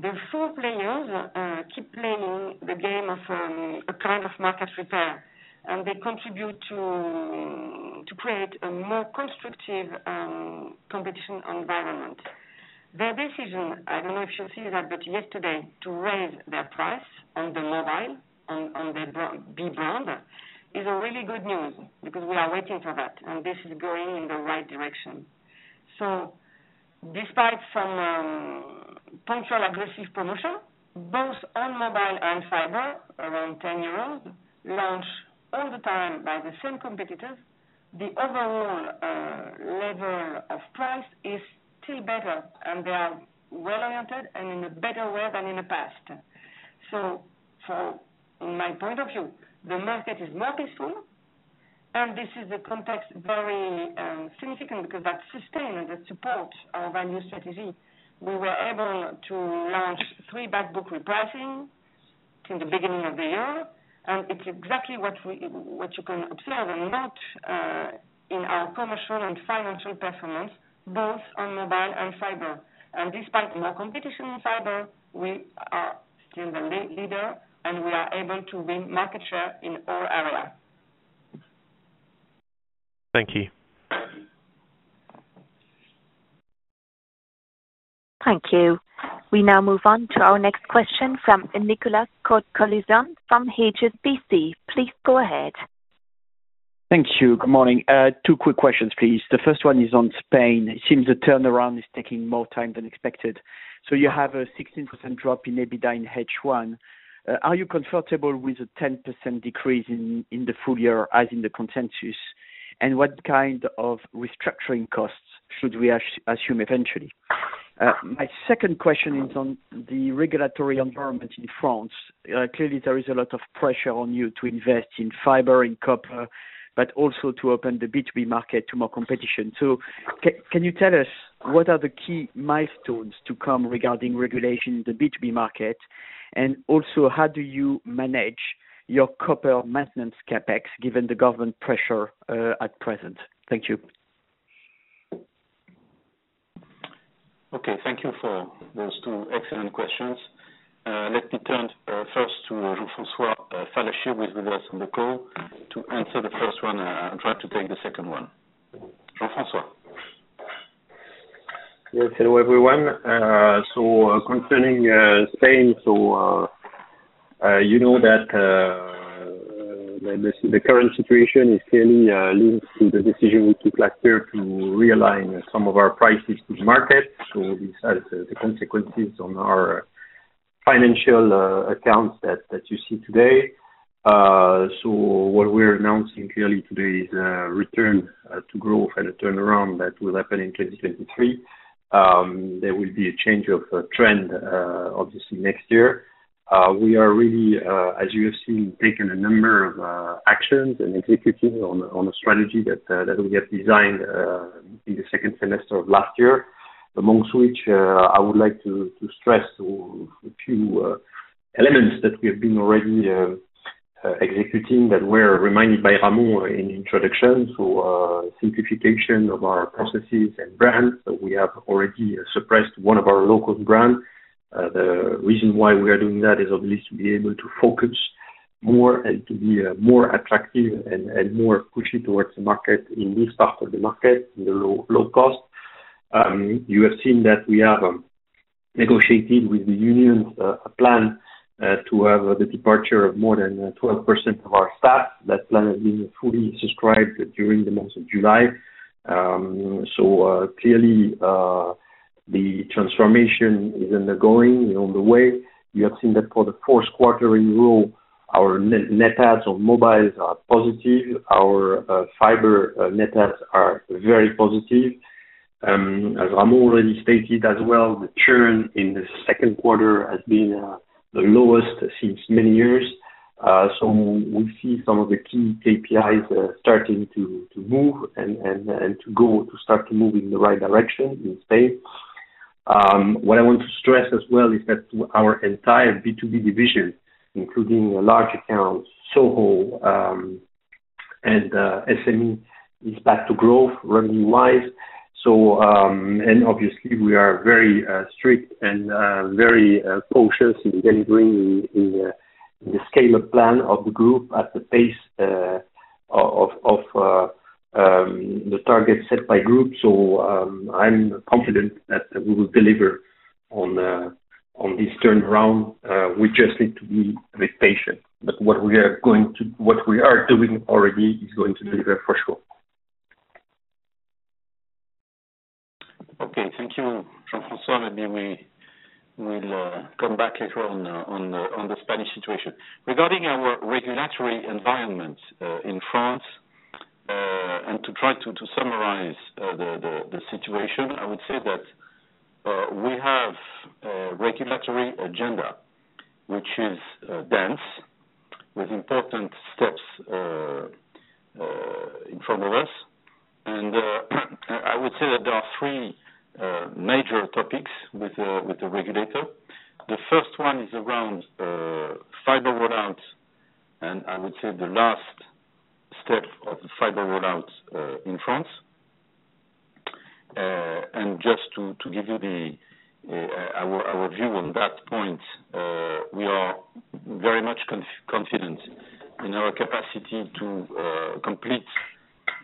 F: The four players keep playing the game of a kind of market repair, and they contribute to create a more constructive competition environment. Their decision, I don't know if you've seen that, but yesterday to raise their price on the mobile and on the broadband is a really good news because we are waiting for that, and this is going in the right direction. Despite some recurring aggressive promotion, both on mobile and fiber, around 10 euros, launched all the time by the same competitors, the overall level of price is still better and they are well oriented and in a better way than in the past. From my point of view, the market is more peaceful, and this is a context very significant because that sustains the support of our new strategy. We were able to launch three back book repricing in the beginning of the year, and it's exactly what you can observe and not in our commercial and financial performance, both on mobile and fiber. Despite more competition in fiber, we are still the leader, and we are able to win market share in all areas.
D: Thank you.
A: Thank you. We now move on to our next question from Nicolas Cote-Colisson from HSBC. Please go ahead.
G: Thank you. Good morning. Two quick questions, please. The first one is on Spain. It seems the turnaround is taking more time than expected. You have a 16% drop in EBITDA in H1. Are you comfortable with the 10% decrease in the full year as in the consensus? And what kind of restructuring costs should we assume eventually? My second question is on the regulatory environment in France. Clearly, there is a lot of pressure on you to invest in fiber and copper, but also to open the B2B market to more competition. Can you tell us what are the key milestones to come regarding regulation in the B2B market? And also, how do you manage your copper maintenance CapEx, given the government pressure at present? Thank you.
B: Okay. Thank you for those two excellent questions. Let me turn first to Jean-François Fallacher with us on the call to answer the first one. I'll try to take the second one. Jean-François.
H: Yes. Hello, everyone. Concerning Spain, that the current situation is clearly linked to the decision we took last year to realign some of our prices to the market. These are the consequences on our financial accounts that you see today. What we're announcing clearly today is a return to growth and a turnaround that will happen in 2023. There will be a change of trend obviously, next year. We are really, as you have seen taking a number of actions and executing on a strategy that we have designed in the second semester of last year. Amongst which, I would like to stress a few elements that we have been already executing, that were reminded by Ramon in introduction. Simplification of our processes and brands. We have already suppressed one of our local brands. The reason why we are doing that is obviously to be able to focus more and to be more attractive and more pushy towards the market in this part of the market in the low cost. You have seen that we have negotiated with the union a plan to have the departure of more than 12% of our staff. That plan has been fully subscribed during the month of July. Clearly, the transformation is underway. You have seen that for the fourth quarter in a row, our net adds on mobiles are positive. Our fiber net adds are very positive. As Ramon already stated as well, the churn in the second quarter has been the lowest for many years. We see some of the key KPIs starting to move in the right direction in Spain. What I want to stress as well is that our entire B2B division, including large accounts, SoHo, and SME, is back to growth revenue-wise. Obviously, we are very strict and very cautious in delivering the Scale Up plan of the group at the pace of the target set by the group. I'm confident that we will deliver on this turnaround. We just need to be very patient. What we are doing already is going to deliver for sure.
B: Okay. Thank you, Jean-François. Maybe we will come back later on the Spanish situation. Regarding our regulatory environment in France, and to try to summarize the situation, I would say that we have a regulatory agenda, which is dense with important steps in front of us. Three major topics with the regulator. The first one is around fiber roll-out, and I would say the last step of the fiber roll-out in France. Just to give you our view on that point, we are very much confident in our capacity to complete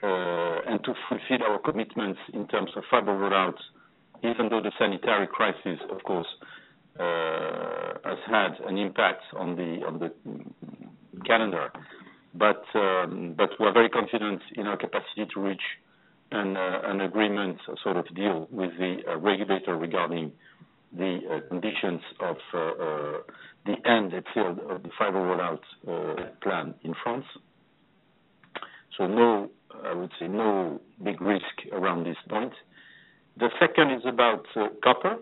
B: and to fulfill our commitments in terms of fiber roll-out, even though the sanitary crisis, of course, has had an impact on the calendar. We're very confident in our capacity to reach an agreement, a deal with the regulator regarding the conditions of the end of the fiber roll-out plan in France. I would say no big risk around this point. The second is about copper.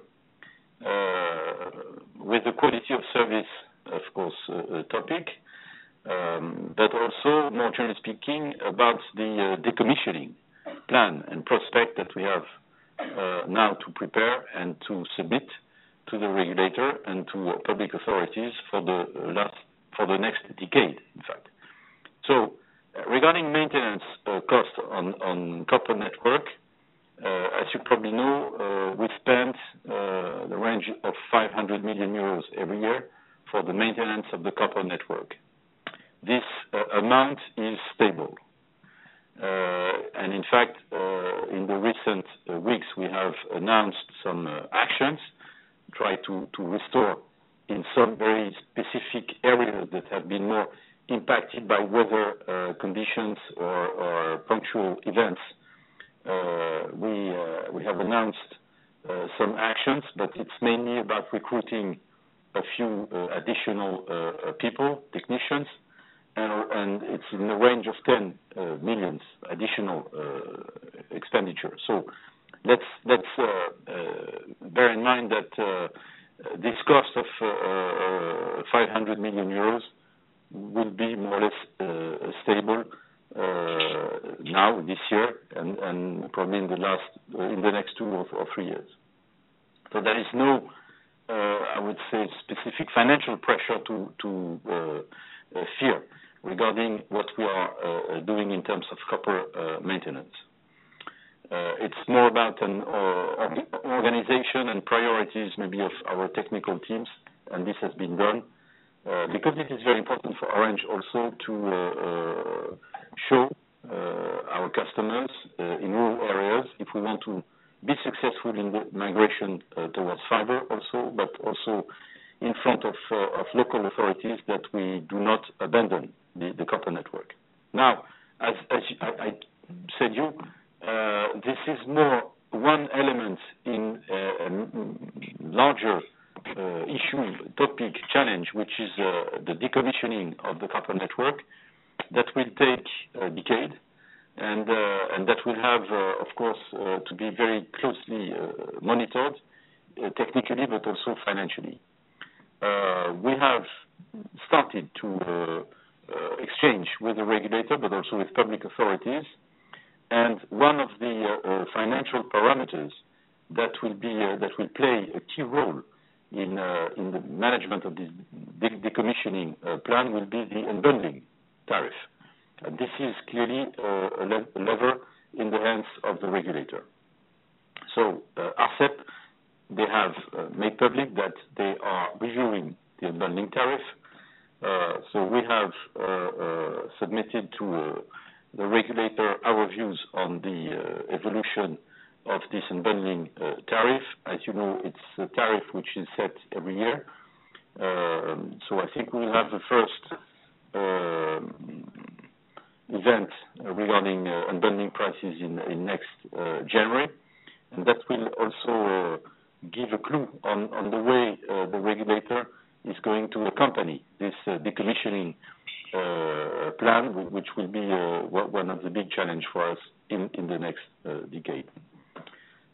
B: With the quality of service, of course, a topic, but also more generally speaking about the decommissioning plan and prospect that we have now to prepare and to submit to the regulator and to public authorities for the next decade, in fact. Regarding maintenance cost on the copper network, as you probably know, we spend in the range of 500 million euros every year for the maintenance of the copper network. This amount is stable. In fact, in the recent weeks, we have announced some actions to try to restore in some very specific areas that have been more impacted by weather conditions or punctual events. We have announced some actions, but it's mainly about recruiting a few additional people, technicians. It's in the range of 10 million additional expenditure. Let's bear in mind that this cost of 500 million euros will be more or less stable now this year and probably in the next two or three years. There is no, I would say, specific financial pressure to fear regarding what we are doing in terms of copper maintenance. It's more about an organization and priorities, maybe of our technical teams, and this has been done because it is very important for Orange also to show our customers in rural areas if we want to be successful in the migration towards fiber also, but also in front of local authorities that we do not abandon the copper network. Now, as I said to you, this is more one element in a larger issue, topic, challenge, which is the decommissioning of the copper network that will take a decade and that will have of course to be very closely monitored technically, but also financially. We have started to exchange with the regulator, but also with public authorities. One of the financial parameters that will play a key role in the management of the decommissioning plan will be the unbundling tariff. This is clearly a lever in the hands of the regulator. Arcep, they have made public that they are reviewing the unbundling tariff. We have submitted to the regulator our views on the evolution of this unbundling tariff. As you know, it's a tariff which is set every year. I think we'll have the first event regarding unbundling prices in next January. That will also give a clue on the way the regulator is going to accompany this decommissioning plan, which will be one of the big challenge for us in the next decade.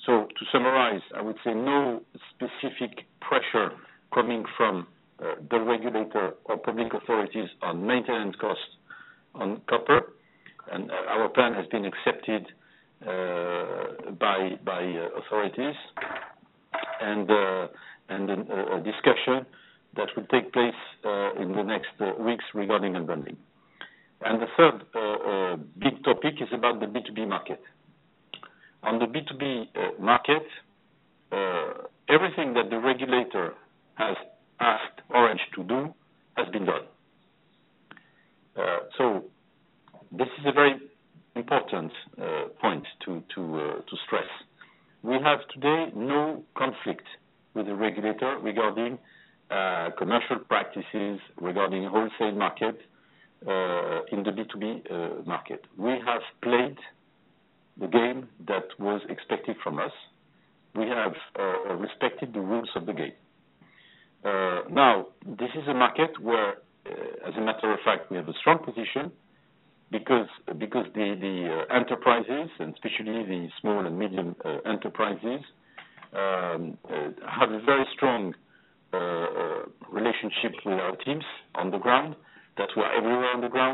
B: To summarize, I would say no specific pressure coming from the regulator or public authorities on maintenance costs on copper. Our plan has been accepted by authorities and in a discussion that will take place in the next weeks regarding unbundling. The third big topic is about the B2B market. On the B2B market, everything that the regulator has asked Orange to do has been done. This is a very important point to stress. We have today no conflict with the regulator regarding commercial practices, regarding wholesale market in the B2B market. We have played the game that was expected from us. We have respected the rules of the game. Now this is a market where, as a matter of fact, we have a strong position because the enterprises, and especially the small and medium enterprises,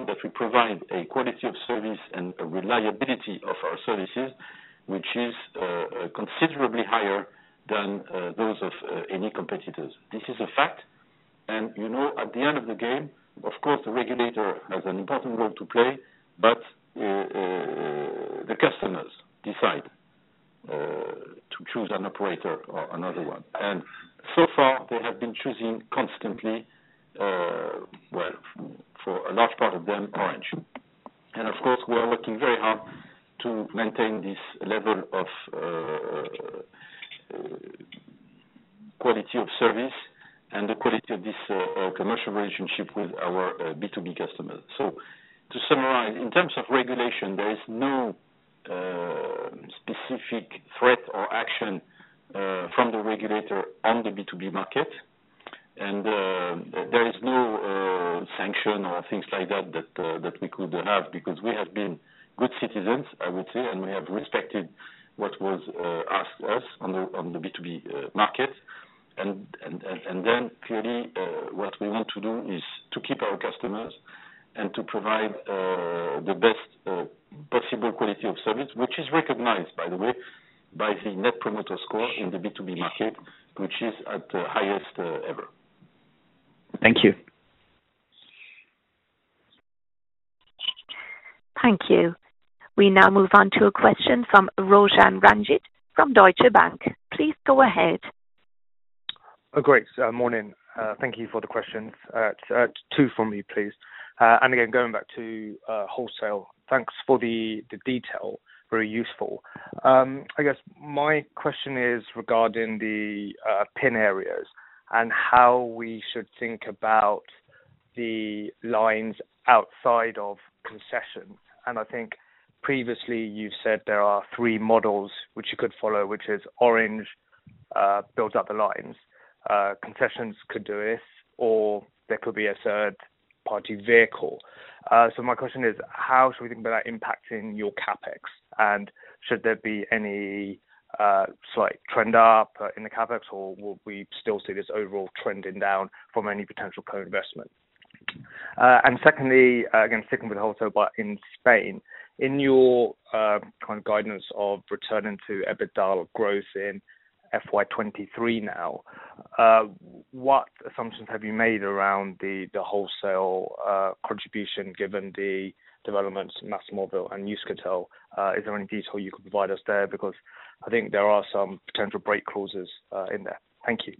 B: that we provide a quality of service and a reliability of our services, which is considerably higher than those of any competitors. This is a fact. At the end of the game, of course, the regulator has an important role to play, but the customers decide to choose an operator or another one. So far, they have been choosing constantly, well, for a large part of them, Orange. Of course, we are working very hard to maintain this level of quality of service and the quality of this commercial relationship with our B2B customers. To summarize, in terms of regulation, there is no specific threat or action from the regulator on the B2B market. There is no sanction or things like that that we could have, because we have been good citizens, I would say, and we have respected what was asked us on the B2B market. Clearly, what we want to do is to keep our customers and to provide the best possible quality of service, which is recognized by the way, by the net promoter score in the B2B market, which is at the highest ever.
G: Thank you.
A: Thank you. We now move on to a question from Roshan Ranjit from Deutsche Bank. Please go ahead.
I: Oh, great. Morning. Thank you for the questions. Two from me, please. Again, going back to wholesale, thanks for the detail. Very useful. I guess my question is regarding the PIN areas and how we should think about the lines outside of concessions. I think previously you've said there are three models which you could follow, which is Orange builds the lines, concessions could do it, or there could be a third-party vehicle. My question is, how should we think about that impacting your CapEx? Should there be any slight trend up in the CapEx, or will we still see this overall trending down from any potential co-investment? Secondly, again sticking with wholesale, but in Spain, in your kind of guidance of returning to EBITDA growth in FY 2023 now, what assumptions have you made around the wholesale contribution, given the developments in MASMOVIL and Euskaltel? Is there any detail you could provide us there? Because I think there are some potential break clauses in there. Thank you.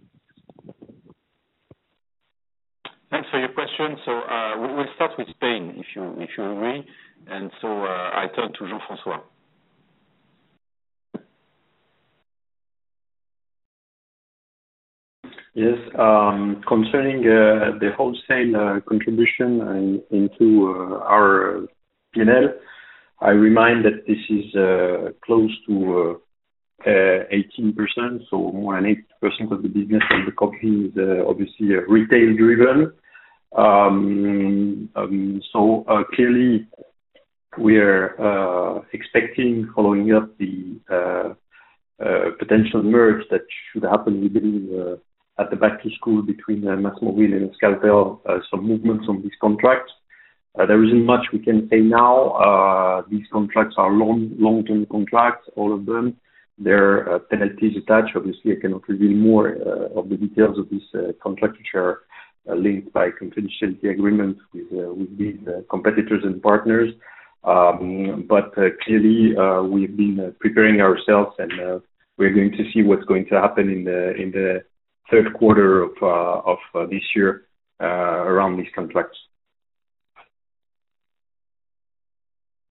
B: Thanks for your question. We'll start with Spain, if you agree. I turn to Jean-François.
H: Yes. Concerning the wholesale contribution and into our P&L, I remind that this is close to 18%. More than 8% of the business of the company is obviously retail-driven. Clearly, we're expecting following up the potential merger that should happen within the at the back-to-school between MASMOVIL and Euskaltel, some movements on this contract. There isn't much we can say now. These contracts are long-term contracts, all of them. There are penalties attached. Obviously, I cannot reveal more of the details of this contract, which are linked by confidentiality agreement with these competitors and partners. Clearly, we've been preparing ourselves, and we're going to see what's going to happen in the third quarter of this year around these contracts.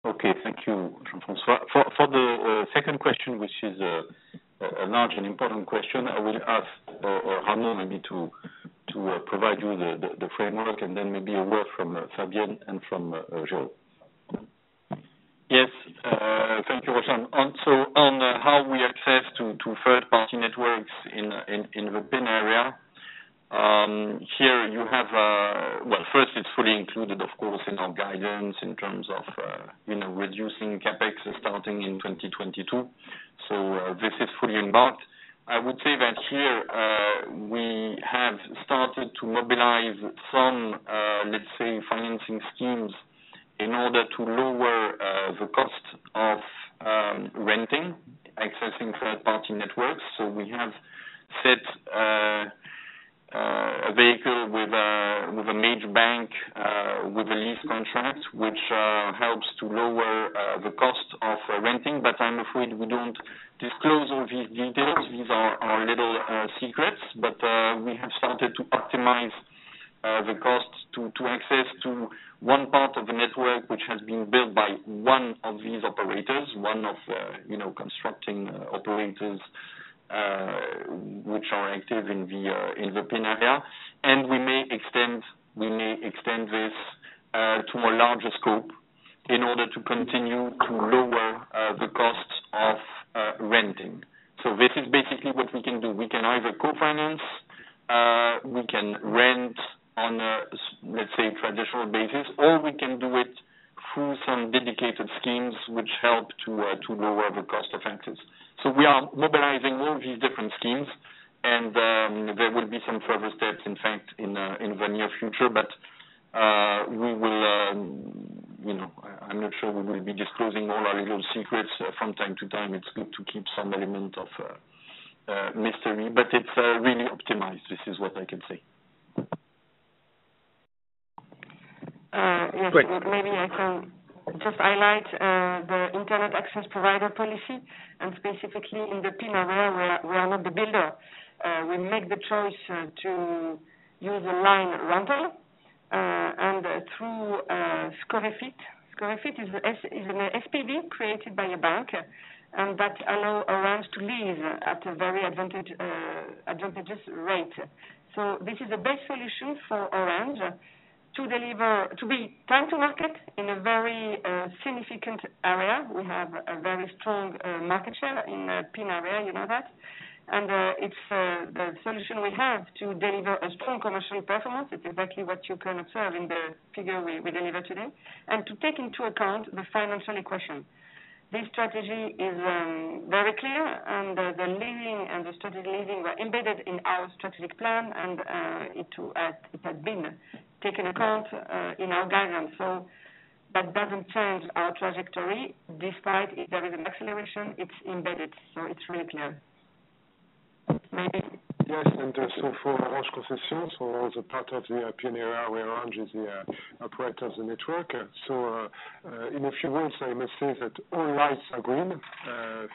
B: Okay. Thank you, Jean-François. For the second question, which is a large and important question, I will ask Ramon, maybe to provide you the framework and then maybe a word from Fabienne and from Jo.
C: Yes, thank you, Roshan. How we access to third-party networks in the PIN area. Here you have. Well, first, it's fully included, of course, in our guidance in terms of reducing CapEx starting in 2022. This is fully embarked. I would say that here, we have started to mobilize some, let's say, financing schemes in order to lower the cost of renting, accessing third-party networks. We have set up a vehicle with a major bank, with a lease contract, which helps to lower the cost of renting. But I'm afraid we don't disclose all these details. These are our little secrets. We have started to optimize the cost to access to one part of the network, which has been built by one of these operators, one of constructing operators, which are active in the PIN area. We may extend this to a larger scope in order to continue to lower the cost of renting. This is basically what we can do. We can either co-finance, we can rent on a, let's say, traditional basis, or we can do schemes which help to lower the cost of access. We are mobilizing all these different schemes, and there will be some further steps, in fact, in the near future. We will, you know, I'm not sure we will be disclosing all our little secrets from time to time. It's good to keep some element of mystery, but it's really optimized. This is what I can say.
F: Yes.
C: Go ahead.
F: Maybe I can just highlight the internet access provider policy, and specifically in the PIN area, where we are not the builder. We make the choice to use a line rental and through SCOREFIT. SCOREFIT is an SPV created by a bank, and that allow Orange to lease at a very advantageous rate. This is the best solution for Orange to deliver to be time to market in a very significant area. We have a very strong market share in PIN area, you know that. It's the solution we have to deliver a strong commercial performance. It's exactly what you can observe in the figure we deliver today. And to take into account the financial equation. This strategy is very clear and the leading and the strategic leading were embedded in our strategic plan and it had been taken into account in our guidance. That doesn't change our trajectory. Despite if there is an acceleration, it's embedded, so it's really clear.
C: For Orange Concessions or the part of the PIN area where Orange is the operator of the network. In a few words, I must say that all lights are green.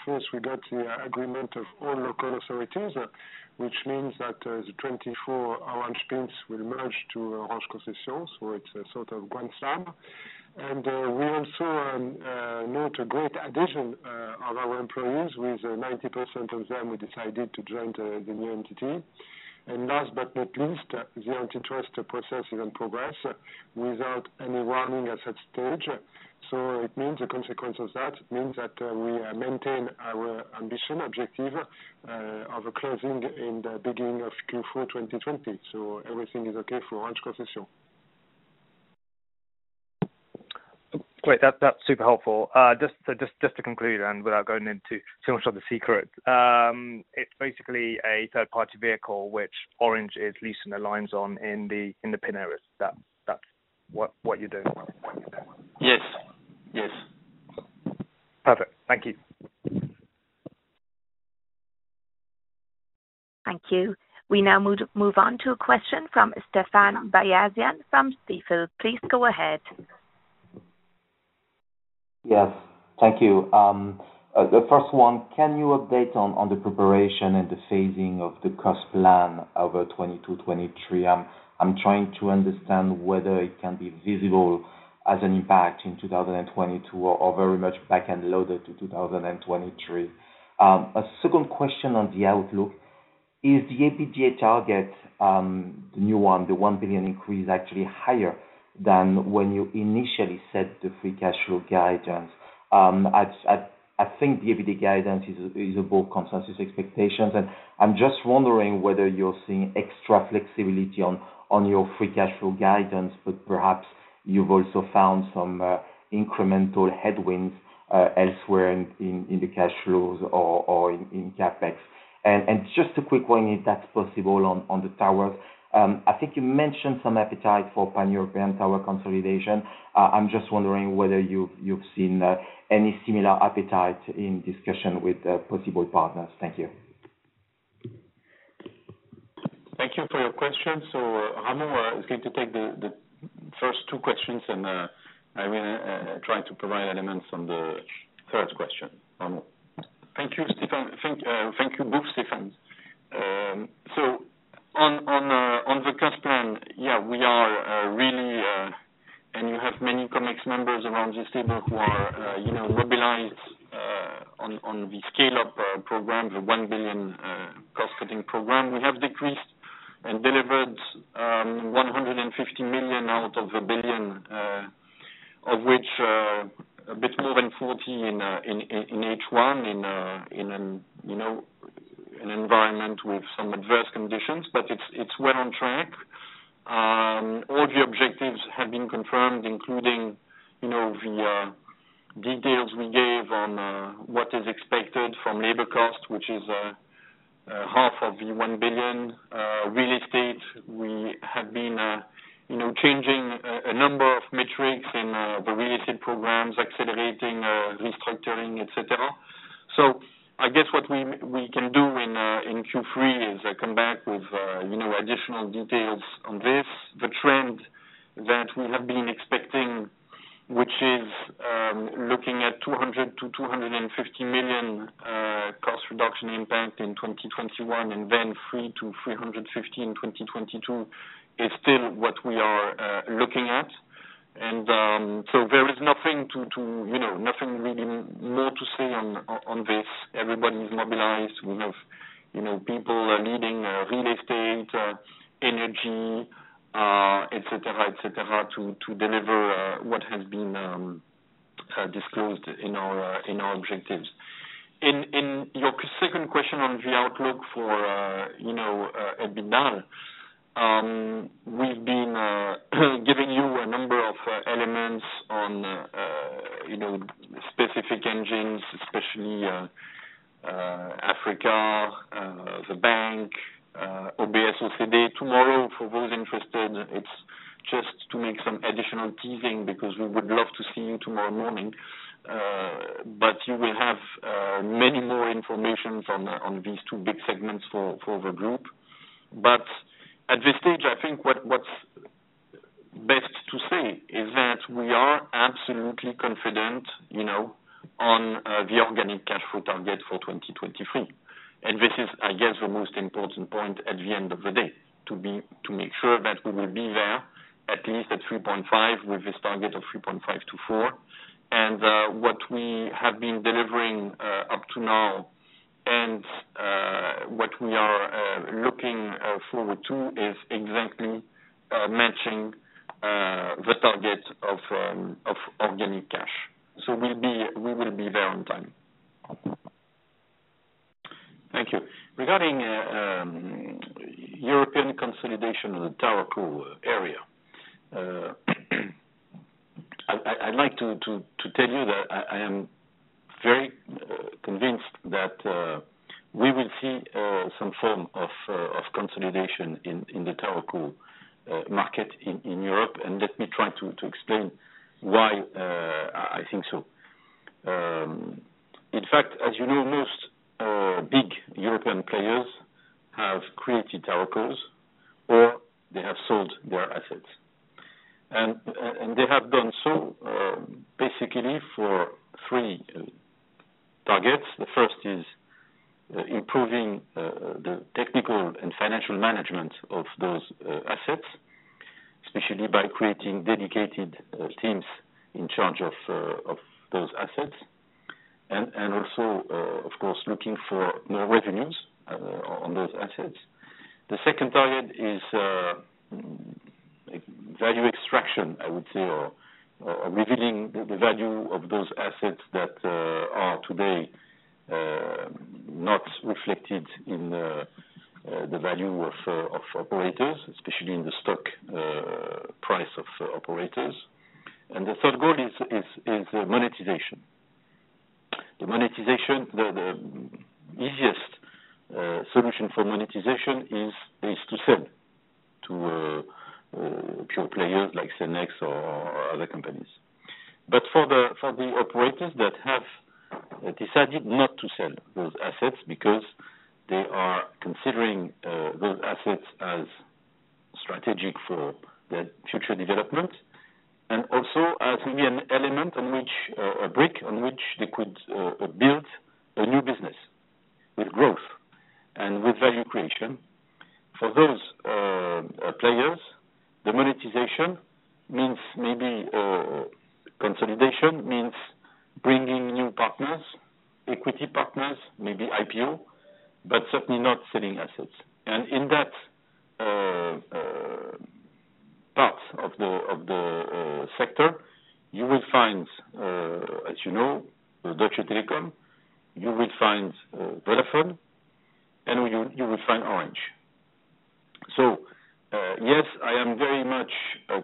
C: First, we got the agreement of all local authorities, which means that the 24 Orange PINs will merge to Orange Concessions. It's a sort of grand slam. We also note a great addition of our employees with 90% of them who decided to join the new entity. Last but not least, the antitrust process is in progress without any warning at that stage. It means the consequence of that means that we maintain our ambition objective of closing in the beginning of Q4 2020. Everything is okay for Orange Concessions.
I: Great. That's super helpful. Just to conclude, and without going into so much of the secret, it's basically a third-party vehicle which Orange is leasing the lines on in the PIN areas. That's what you're doing?
C: Yes. Yes.
I: Perfect. Thank you.
A: Thank you. We now move on to a question from Stephane Beyazian from Stifel. Please go ahead.
J: Yes. Thank you. The first one, can you update on the preparation and the phasing of the cost plan over 2022-2023? I'm trying to understand whether it can be visible as an impact in 2022 or very much back-end loaded to 2023. A second question on the outlook is the EBITDA target, the new one, the 1 billion increase, actually higher than when you initially set the free cash flow guidance? I think the EBITDA guidance is above consensus expectations, and I'm just wondering whether you're seeing extra flexibility on your free cash flow guidance. Perhaps you've also found some incremental headwinds elsewhere in the cash flows or in CapEx. Just a quick one, if that's possible on the towers. I think you mentioned some appetite for pan-European tower consolidation. I'm just wondering whether you've seen any similar appetite in discussion with possible partners. Thank you.
B: Thank you for your question. Ramon is going to take the first two questions, and I will try to provide elements on the third question. Ramon.
C: Thank you, Stéphane. Thank you both, Stéphane. On the cost plan, yeah. You have many ComEx members around this table who are mobilized on the Scale Up program, the 1 billion cost-cutting program. We have decreased and delivered 150 million out of 1 billion, of which a bit more than 40 million in H1, in an environment with some adverse conditions. It's well on track. All the objectives have been confirmed, including the details we gave on what is expected from labor costs, which is half of the 1 billion real estate. We have been changing a number of metrics in the real estate programs, accelerating restructuring, et cetera. I guess what we can do in Q3 is come back with additional details on this. The trend that we have been expecting, which is looking at 200 million-250 million cost reduction impact in 2021 and then 300 million-350 million in 2022, is still what we are looking at. There is nothing really more to say on this. Everybody is mobilized. We have people leading real estate, energy, et cetera, to deliver what has been disclosed in our objectives. In your second question on the outlook for EBITDA, we've been giving you a number of elements on specific engines, especially Africa, the bank, OBS, OCD. Tomorrow, for those interested, it's just to make some additional teasing because we would love to see you tomorrow morning. You will have many more information on these two big segments for the group. At this stage, I think what's best to say is that we are absolutely confident on the organic cash flow target for 2023. This is, I guess, the most important point at the end of the day to make sure that we will be there at least at 3.5 billion, with this target of 3.5 billion-4 billion. What we have been delivering up to now and what we are looking forward to is exactly matching the target of organic cash. We will be there on time.
B: Thank you. Regarding European consolidation on the TowerCo area, I'd like to tell you that I am very convinced that we will see some form of consolidation in the TowerCo market in Europe. Let me try to explain why I think so. In fact, as you know, most big European players have created TowerCos, or they have sold their assets. They have done so basically for three targets. The first is improving the technical and financial management of those assets, especially by creating dedicated teams in charge of those assets, and also, of course, looking for more revenues on those assets. The second target is value extraction, I would say, or revealing the value of those assets that are today not reflected in the value of operators, especially in the stock price of operators. The third goal is monetization. The easiest solution for monetization is to sell to pure players like Cellnex or other companies. For the operators that have decided not to sell those assets because they are considering those assets as strategic for their future development, and also as maybe an element on which a brick on which they could build a new business with growth and with value creation. For those players, the monetization means maybe consolidation, means bringing new partners, equity partners, maybe IPO, but certainly not selling assets. In that parts of the sector, you will find, as you know, Deutsche Telekom, you will find Vodafone, and you will find Orange. Yes, I am very much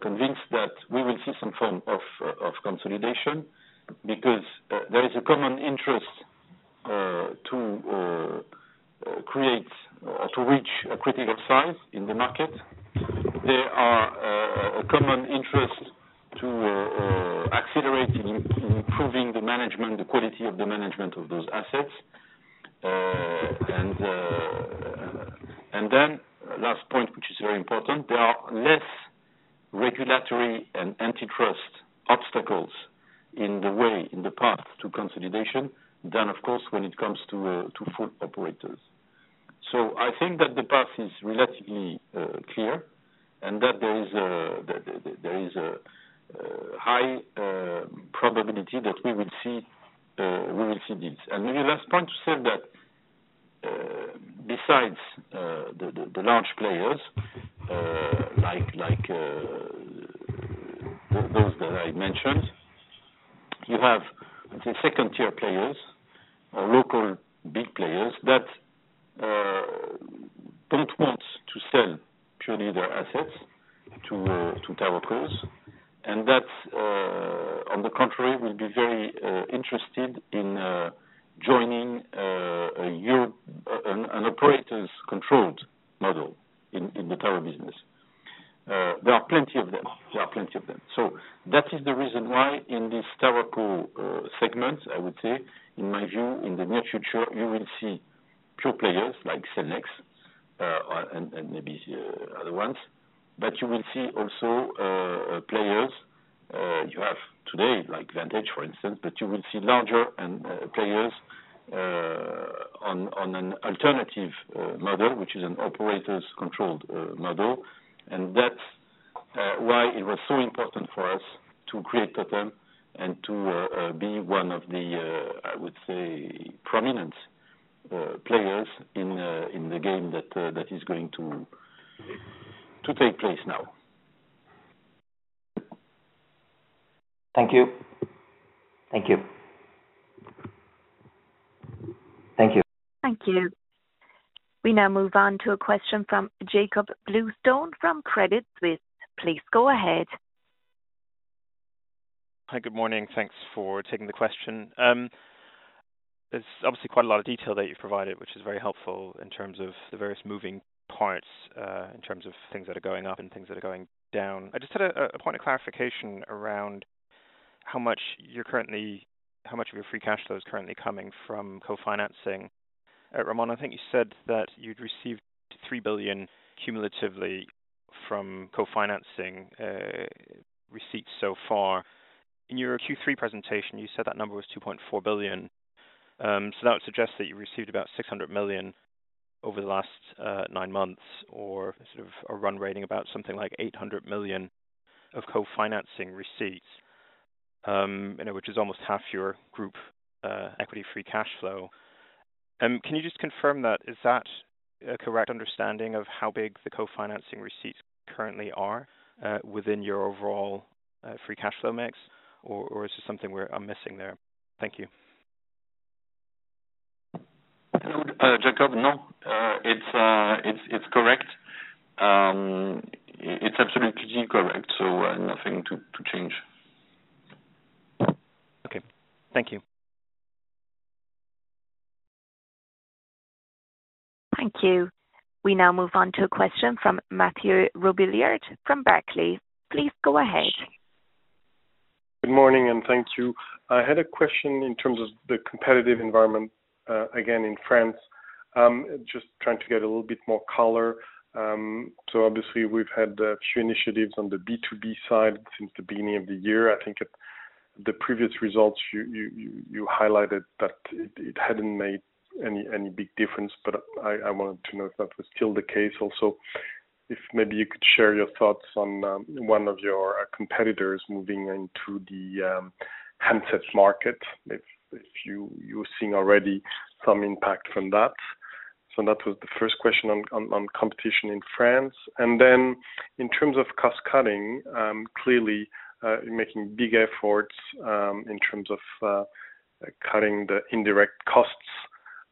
B: convinced that we will see some form of consolidation because there is a common interest to create to reach a critical size in the market. There are a common interest to accelerate in improving the management, the quality of the management of those assets. Last point, which is very important, there are less regulatory and antitrust obstacles in the way, in the path to consolidation than of course when it comes to full operators. I think that the path is relatively clear and that there is a high probability that we will see deals. Maybe last point to say that, besides the large players, like those that I mentioned, you have the second-tier players or local big players that don't want to sell purely their assets to TowerCos. That on the contrary will be very interested in joining an operators'-controlled model in the tower business. There are plenty of them. That is the reason why in this TowerCo segment I would say in my view in the near future you will see pure players like Cellnex and maybe other ones. You will see also players you have today like Vantage for instance but you will see larger and players on an alternative model which is an operators'-controlled model. That's why it was so important for us to create TOTEM and to be one of the, I would say, prominent players in the game that is going to take place now.
J: Thank you.
A: Thank you. We now move on to a question from Jakob Bluestone from Credit Suisse. Please go ahead.
K: Hi, good morning. Thanks for taking the question. There's obviously quite a lot of detail that you've provided, which is very helpful in terms of the various moving parts, in terms of things that are going up and things that are going down. I just had a point of clarification around how much of your free cash flow is currently coming from co-financing. Ramon, I think you said that you'd received 3 billion cumulatively from co-financing receipts so far. In your Q3 presentation, you said that number was 2.4 billion. So that would suggest that you received about 600 million over the last nine months, or sort of a run-rate about something like 800 million of co-financing receipts, which is almost half your group equity free cash flow. Can you just confirm that? Is that a correct understanding of how big the co-financing receipts currently are within your overall free cash flow mix? Or is there something we're missing there? Thank you.
C: Hello, Jacob. No, it's correct. It's absolutely correct, nothing to change.
K: Okay. Thank you.
A: Thank you. We now move on to a question from Mathieu Robilliard from Barclays. Please go ahead.
L: Good morning, thank you. I had a question in terms of the competitive environment, again in France, just trying to get a little bit more color. Obviously, we've had a few initiatives on the B2B side since the beginning of the year. I think at the previous results, you highlighted that it hadn't made any big difference. I wanted to know if that was still the case. Also, if maybe you could share your thoughts on one of your competitors moving into the handsets market, if you're seeing already some impact from that. That was the first question on competition in France. Then, in terms of cost-cutting, clearly, you're making big efforts in terms of cutting the indirect costs.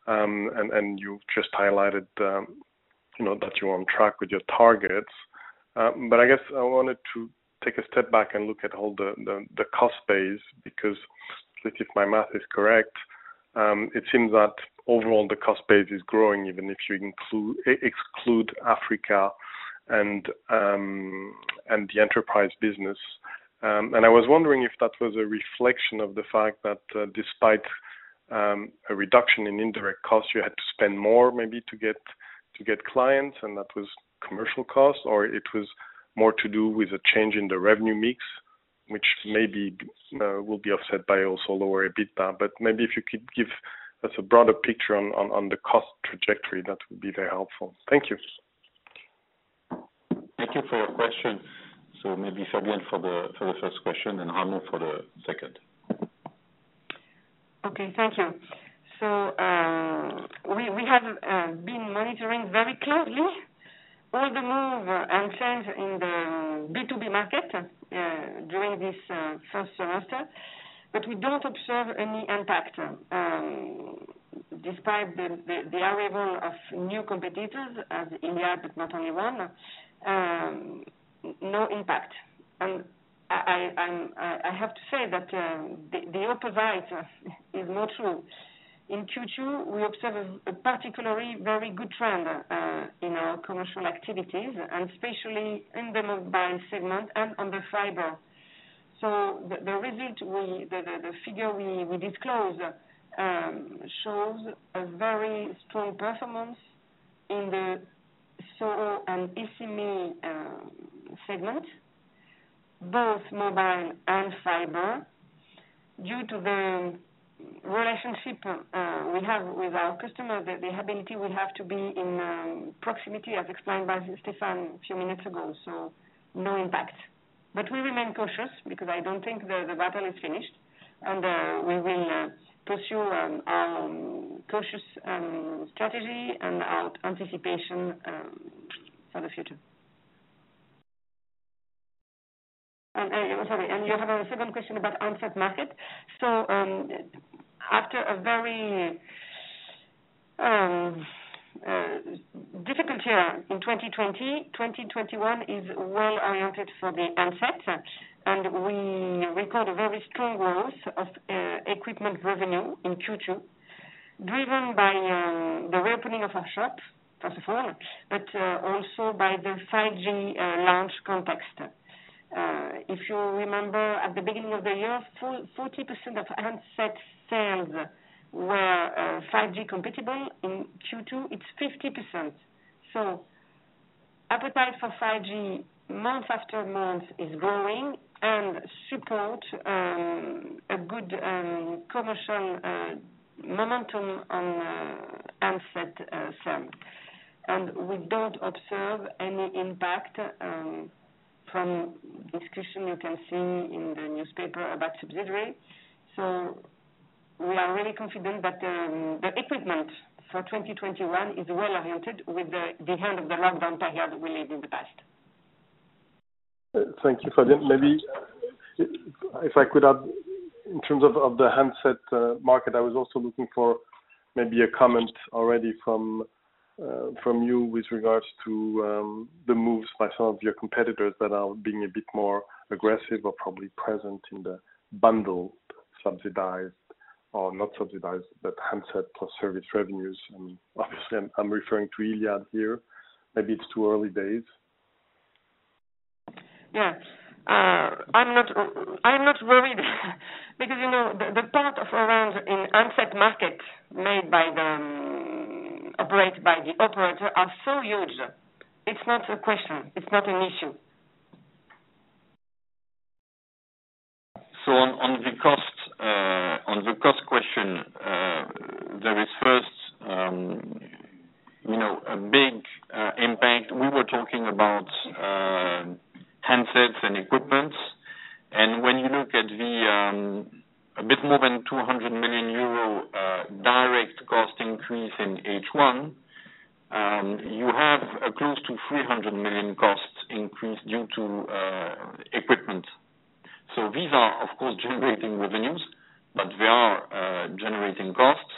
L: You've just highlighted that you're on track with your targets. I guess I wanted to take a step back and look at all the cost base, because if my math is correct, it seems that overall the cost base is growing, even if you exclude Africa and the enterprise business. I was wondering if that was a reflection of the fact that, despite a reduction in indirect costs, you had to spend more, maybe to get clients, and that was commercial costs, or it was more to do with the change in the revenue mix, which maybe will be offset by also lower EBITDA. Maybe if you could give us a broader picture on the cost trajectory, that would be very helpful. Thank you.
B: Thank you for your question. Maybe Fabienne for the first question, and Ramon for the second.
F: Okay. Thank you. We have been monitoring very closely all the move and change in the B2B market during this first semester, but we don't observe any impact despite the arrival of new competitors as Iliad, but not only one, no impact. I have to say that the opposite is more true. In Q2, we observe a particularly very good trend in our commercial activities, and especially in the mobile segment and on the fiber. The figure we disclose shows a very strong performance in the SoHo and SME segment, both mobile and fiber. Due to the relationship we have with our customer, the ability we have to be in proximity, as explained by Stéphane a few minutes ago, no impact. We remain cautious because I don't think the battle is finished. We will pursue cautious strategy and our anticipation for the future. Sorry, you have a second question about handset market. After a very difficult year in 2020, 2021 is well oriented for the handset. We record a very strong growth of equipment revenue in Q2, driven by the reopening of our shop, first of all, but also by the 5G launch context. If you remember, at the beginning of the year, 40% of handset sales were 5G compatible. In Q2, it's 50%. Appetite for 5G month after month is growing and supports a good commercial momentum on the handset sales. We don't observe any impact from discussion you can see in the newspaper about subsidies. We are really confident that the equipment for 2021 is well oriented with the end of the lockdown period we lived in the past.
L: Thank you for that. Maybe if I could add in terms of the handset market, I was also looking for maybe a comment already from you with regards to the moves by some of your competitors that are being a bit more aggressive or probably present in the bundle subsidized or not subsidized, but handset plus service revenues. Obviously I'm referring to Iliad here. Maybe it's too early days.
F: Yeah. I'm not worried because the part of Orange in handset market made by the operators are so huge. It's not a question, it's not an issue.
C: On the cost question, there is first a big impact. We were talking about handsets and equipment. When you look at a bit more than 200 million euro direct cost increase in H1, you have close to 300 million costs increased due to equipment. These are of course generating revenues, but they are generating costs.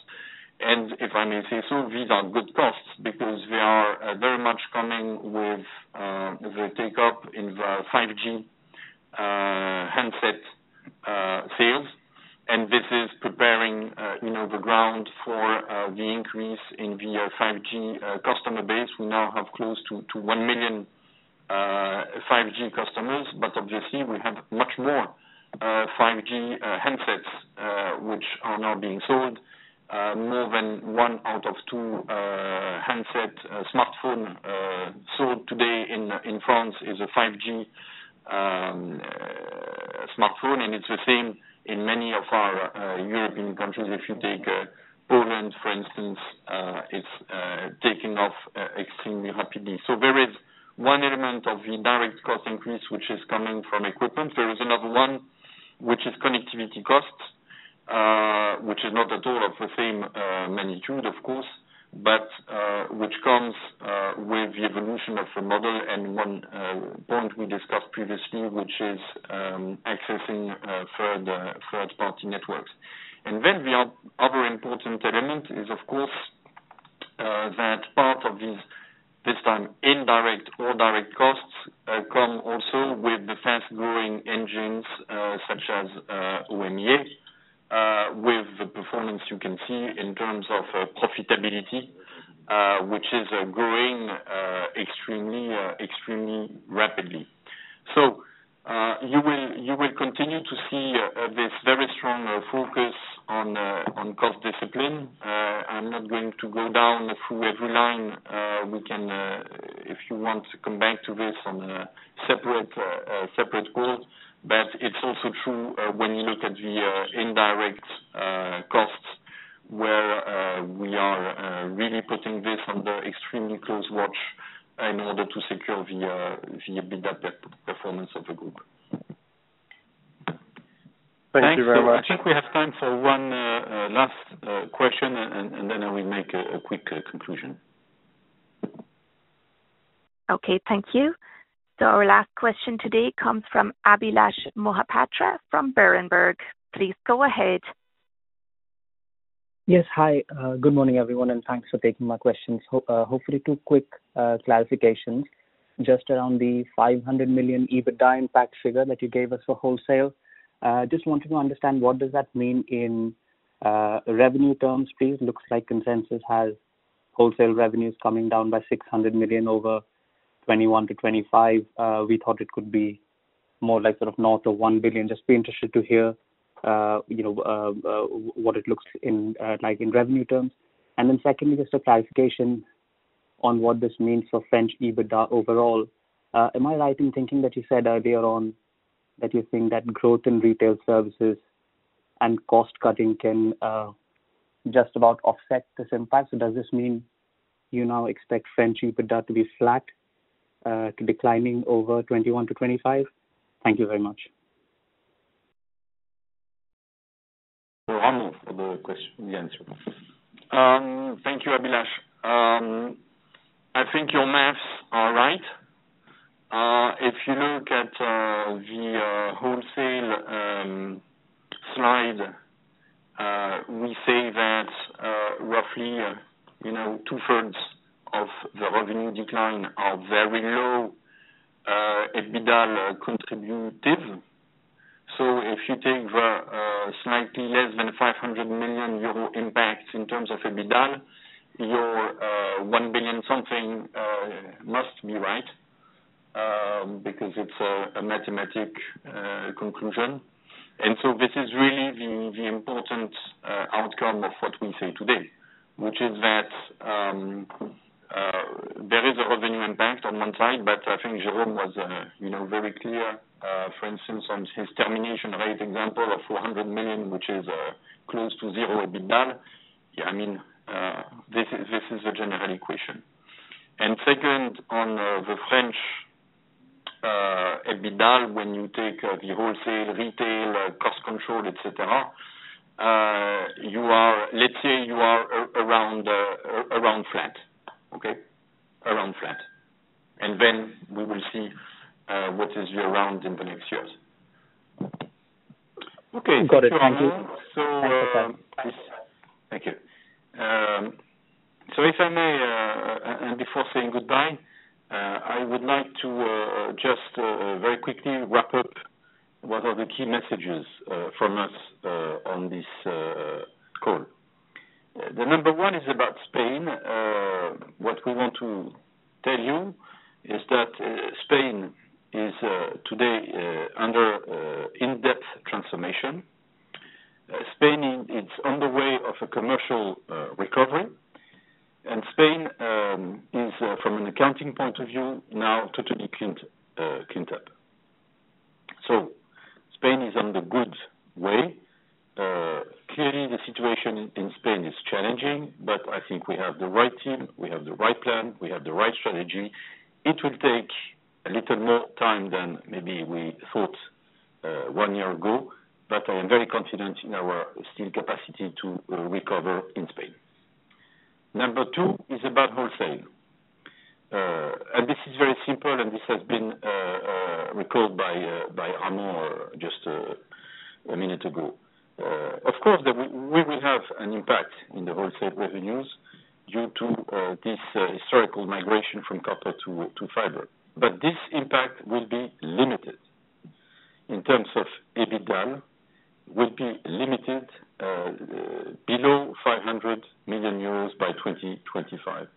C: If I may say so, these are good costs because they are very much coming with the take up in the 5G handset sales. This is preparing, the ground for the increase in the 5G customer base. We now have close to 1 million 5G customers, but obviously, we have much more 5G handsets which are now being sold. More than one out of two handset smartphone sold today in France is a 5G smartphone. It's the same in many of our European countries. If you take Poland, for instance, it's taking off extremely rapidly. There is one element of the direct cost increase which is coming from equipment. There is another one, which is connectivity costs, which is not at all of the same magnitude, of course, but which comes with the evolution of the model and one point we discussed previously, which is accessing third-party networks. The other important element is, of course, that part of this time indirect or direct costs come also with the fast-growing engines, such as, OMEA, with the performance you can see in terms of, profitability, which is growing extremely rapidly. You will continue to see this very strong focus on cost discipline. I'm not going to go down through every line. We can if you want to come back to this on a separate call. It's also true, when you look at the indirect costs where we are really putting this under extremely close watch in order to secure the EBITDA performance of the group.
L: Thank you very much.
B: I think we have time for one last question, and then I will make a quick conclusion.
A: Okay, thank you. Our last question today comes from Abhilash Mohapatra from Berenberg. Please go ahead.
M: Yes. Hi, good morning everyone, and thanks for taking my questions. Hopefully, two quick clarifications just around the 500 million EBITDA impact figure that you gave us for wholesale. Just wanted to understand what does that mean in revenue terms, please? Looks like consensus has wholesale revenues coming down by 600 million over 2021 to 2025. We thought it could be more like sort of north of 1 billion. Just be interested to hear what it looks like in revenue terms. Then secondly, just a clarification on what this means for French EBITDA overall. Am I right in thinking that you said earlier on that you're think that growth in retail services and cost cutting can just about offset this impact? Does this mean you now expect French EBITDA to be flat, to be declining over 2021-2025? Thank you very much.
B: Ramon, for the question, the answer.
C: Thank you, Abhilash. I think your math is right. If you look at the wholesale slide, we say that roughly two-thirds of the revenue decline are very low EBITDA contributive. If you take the slightly less than 500 million euro impact in terms of EBITDA, your 1 billion something must be right, because it's a mathematical conclusion. This is really the important outcome of what we say today, which is that there is a revenue impact on one side, but I think Jérôme was very clear, for instance, on his termination rate example of 400 million, which is close to zero EBITDA. Yeah, I mean Take the wholesale, retail, cost control, etcetera. Let's say you are around flat, okay? Then we will see what is year-on-year in the next years.
M: Okay. Got it. Thanks.
B: Thank you. If I may, and before saying goodbye, I would like to just very quickly wrap up what are the key messages from us on this call. The number one is about Spain. What we want to tell you is that Spain is today under in-depth transformation. Spain is, it's on the way of a commercial recovery, and Spain is from an accounting point of view, now totally cleaned up. Spain is on the good way. Clearly, the situation in Spain is challenging, but I think we have the right team, we have the right plan, we have the right strategy. It'll take a little more time than maybe we thought one year ago, but I am very confident in our still capacity to recover in Spain. Number two is about wholesale. This is very simple, and this has been recalled by Ramon Fernandez just a minute ago. Of course, we will have an impact in the wholesale revenues due to this historical migration from copper to fiber. But this impact will be limited in terms of EBITDA below 500 million euros by 2025.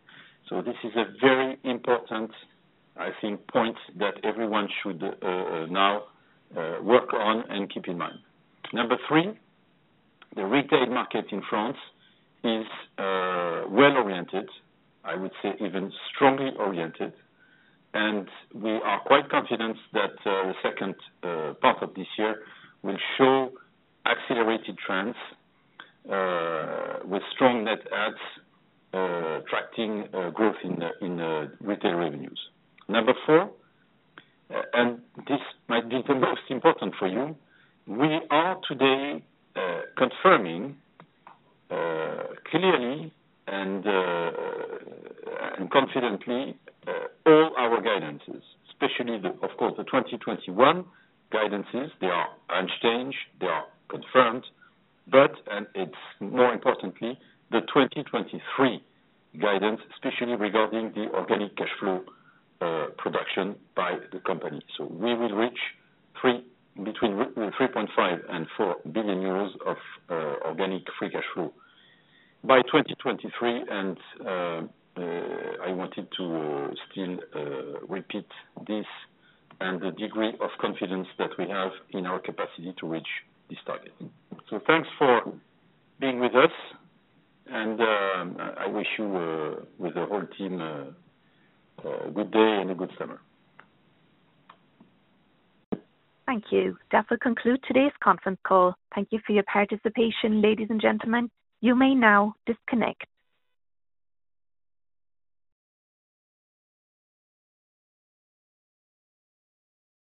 B: This is a very important, I think, point that everyone should now work on and keep in mind. Number three, the retail market in France is well-oriented, I would say even strongly oriented. We are quite confident that the second part of this year will show accelerated trends with strong net adds attracting growth in retail revenues. Number four, and this might be the most important for you, we are today confirming clearly and confidently all our guidances, especially the, of course, the 2021 guidances. They are unchanged, they are confirmed, and it's more importantly, the 2023 guidance, especially regarding the organic cash flow production by the company. We will reach between 3.5 and 4 billion euros of organic free cash flow by 2023. I wanted to still repeat this, and the degree of confidence that we have in our capacity to reach this target. Thanks for being with us, and I wish you with the whole team a good day and a good summer.
A: Thank you. That will conclude today's conference call. Thank you for your participation, ladies and gentlemen. You may now disconnect.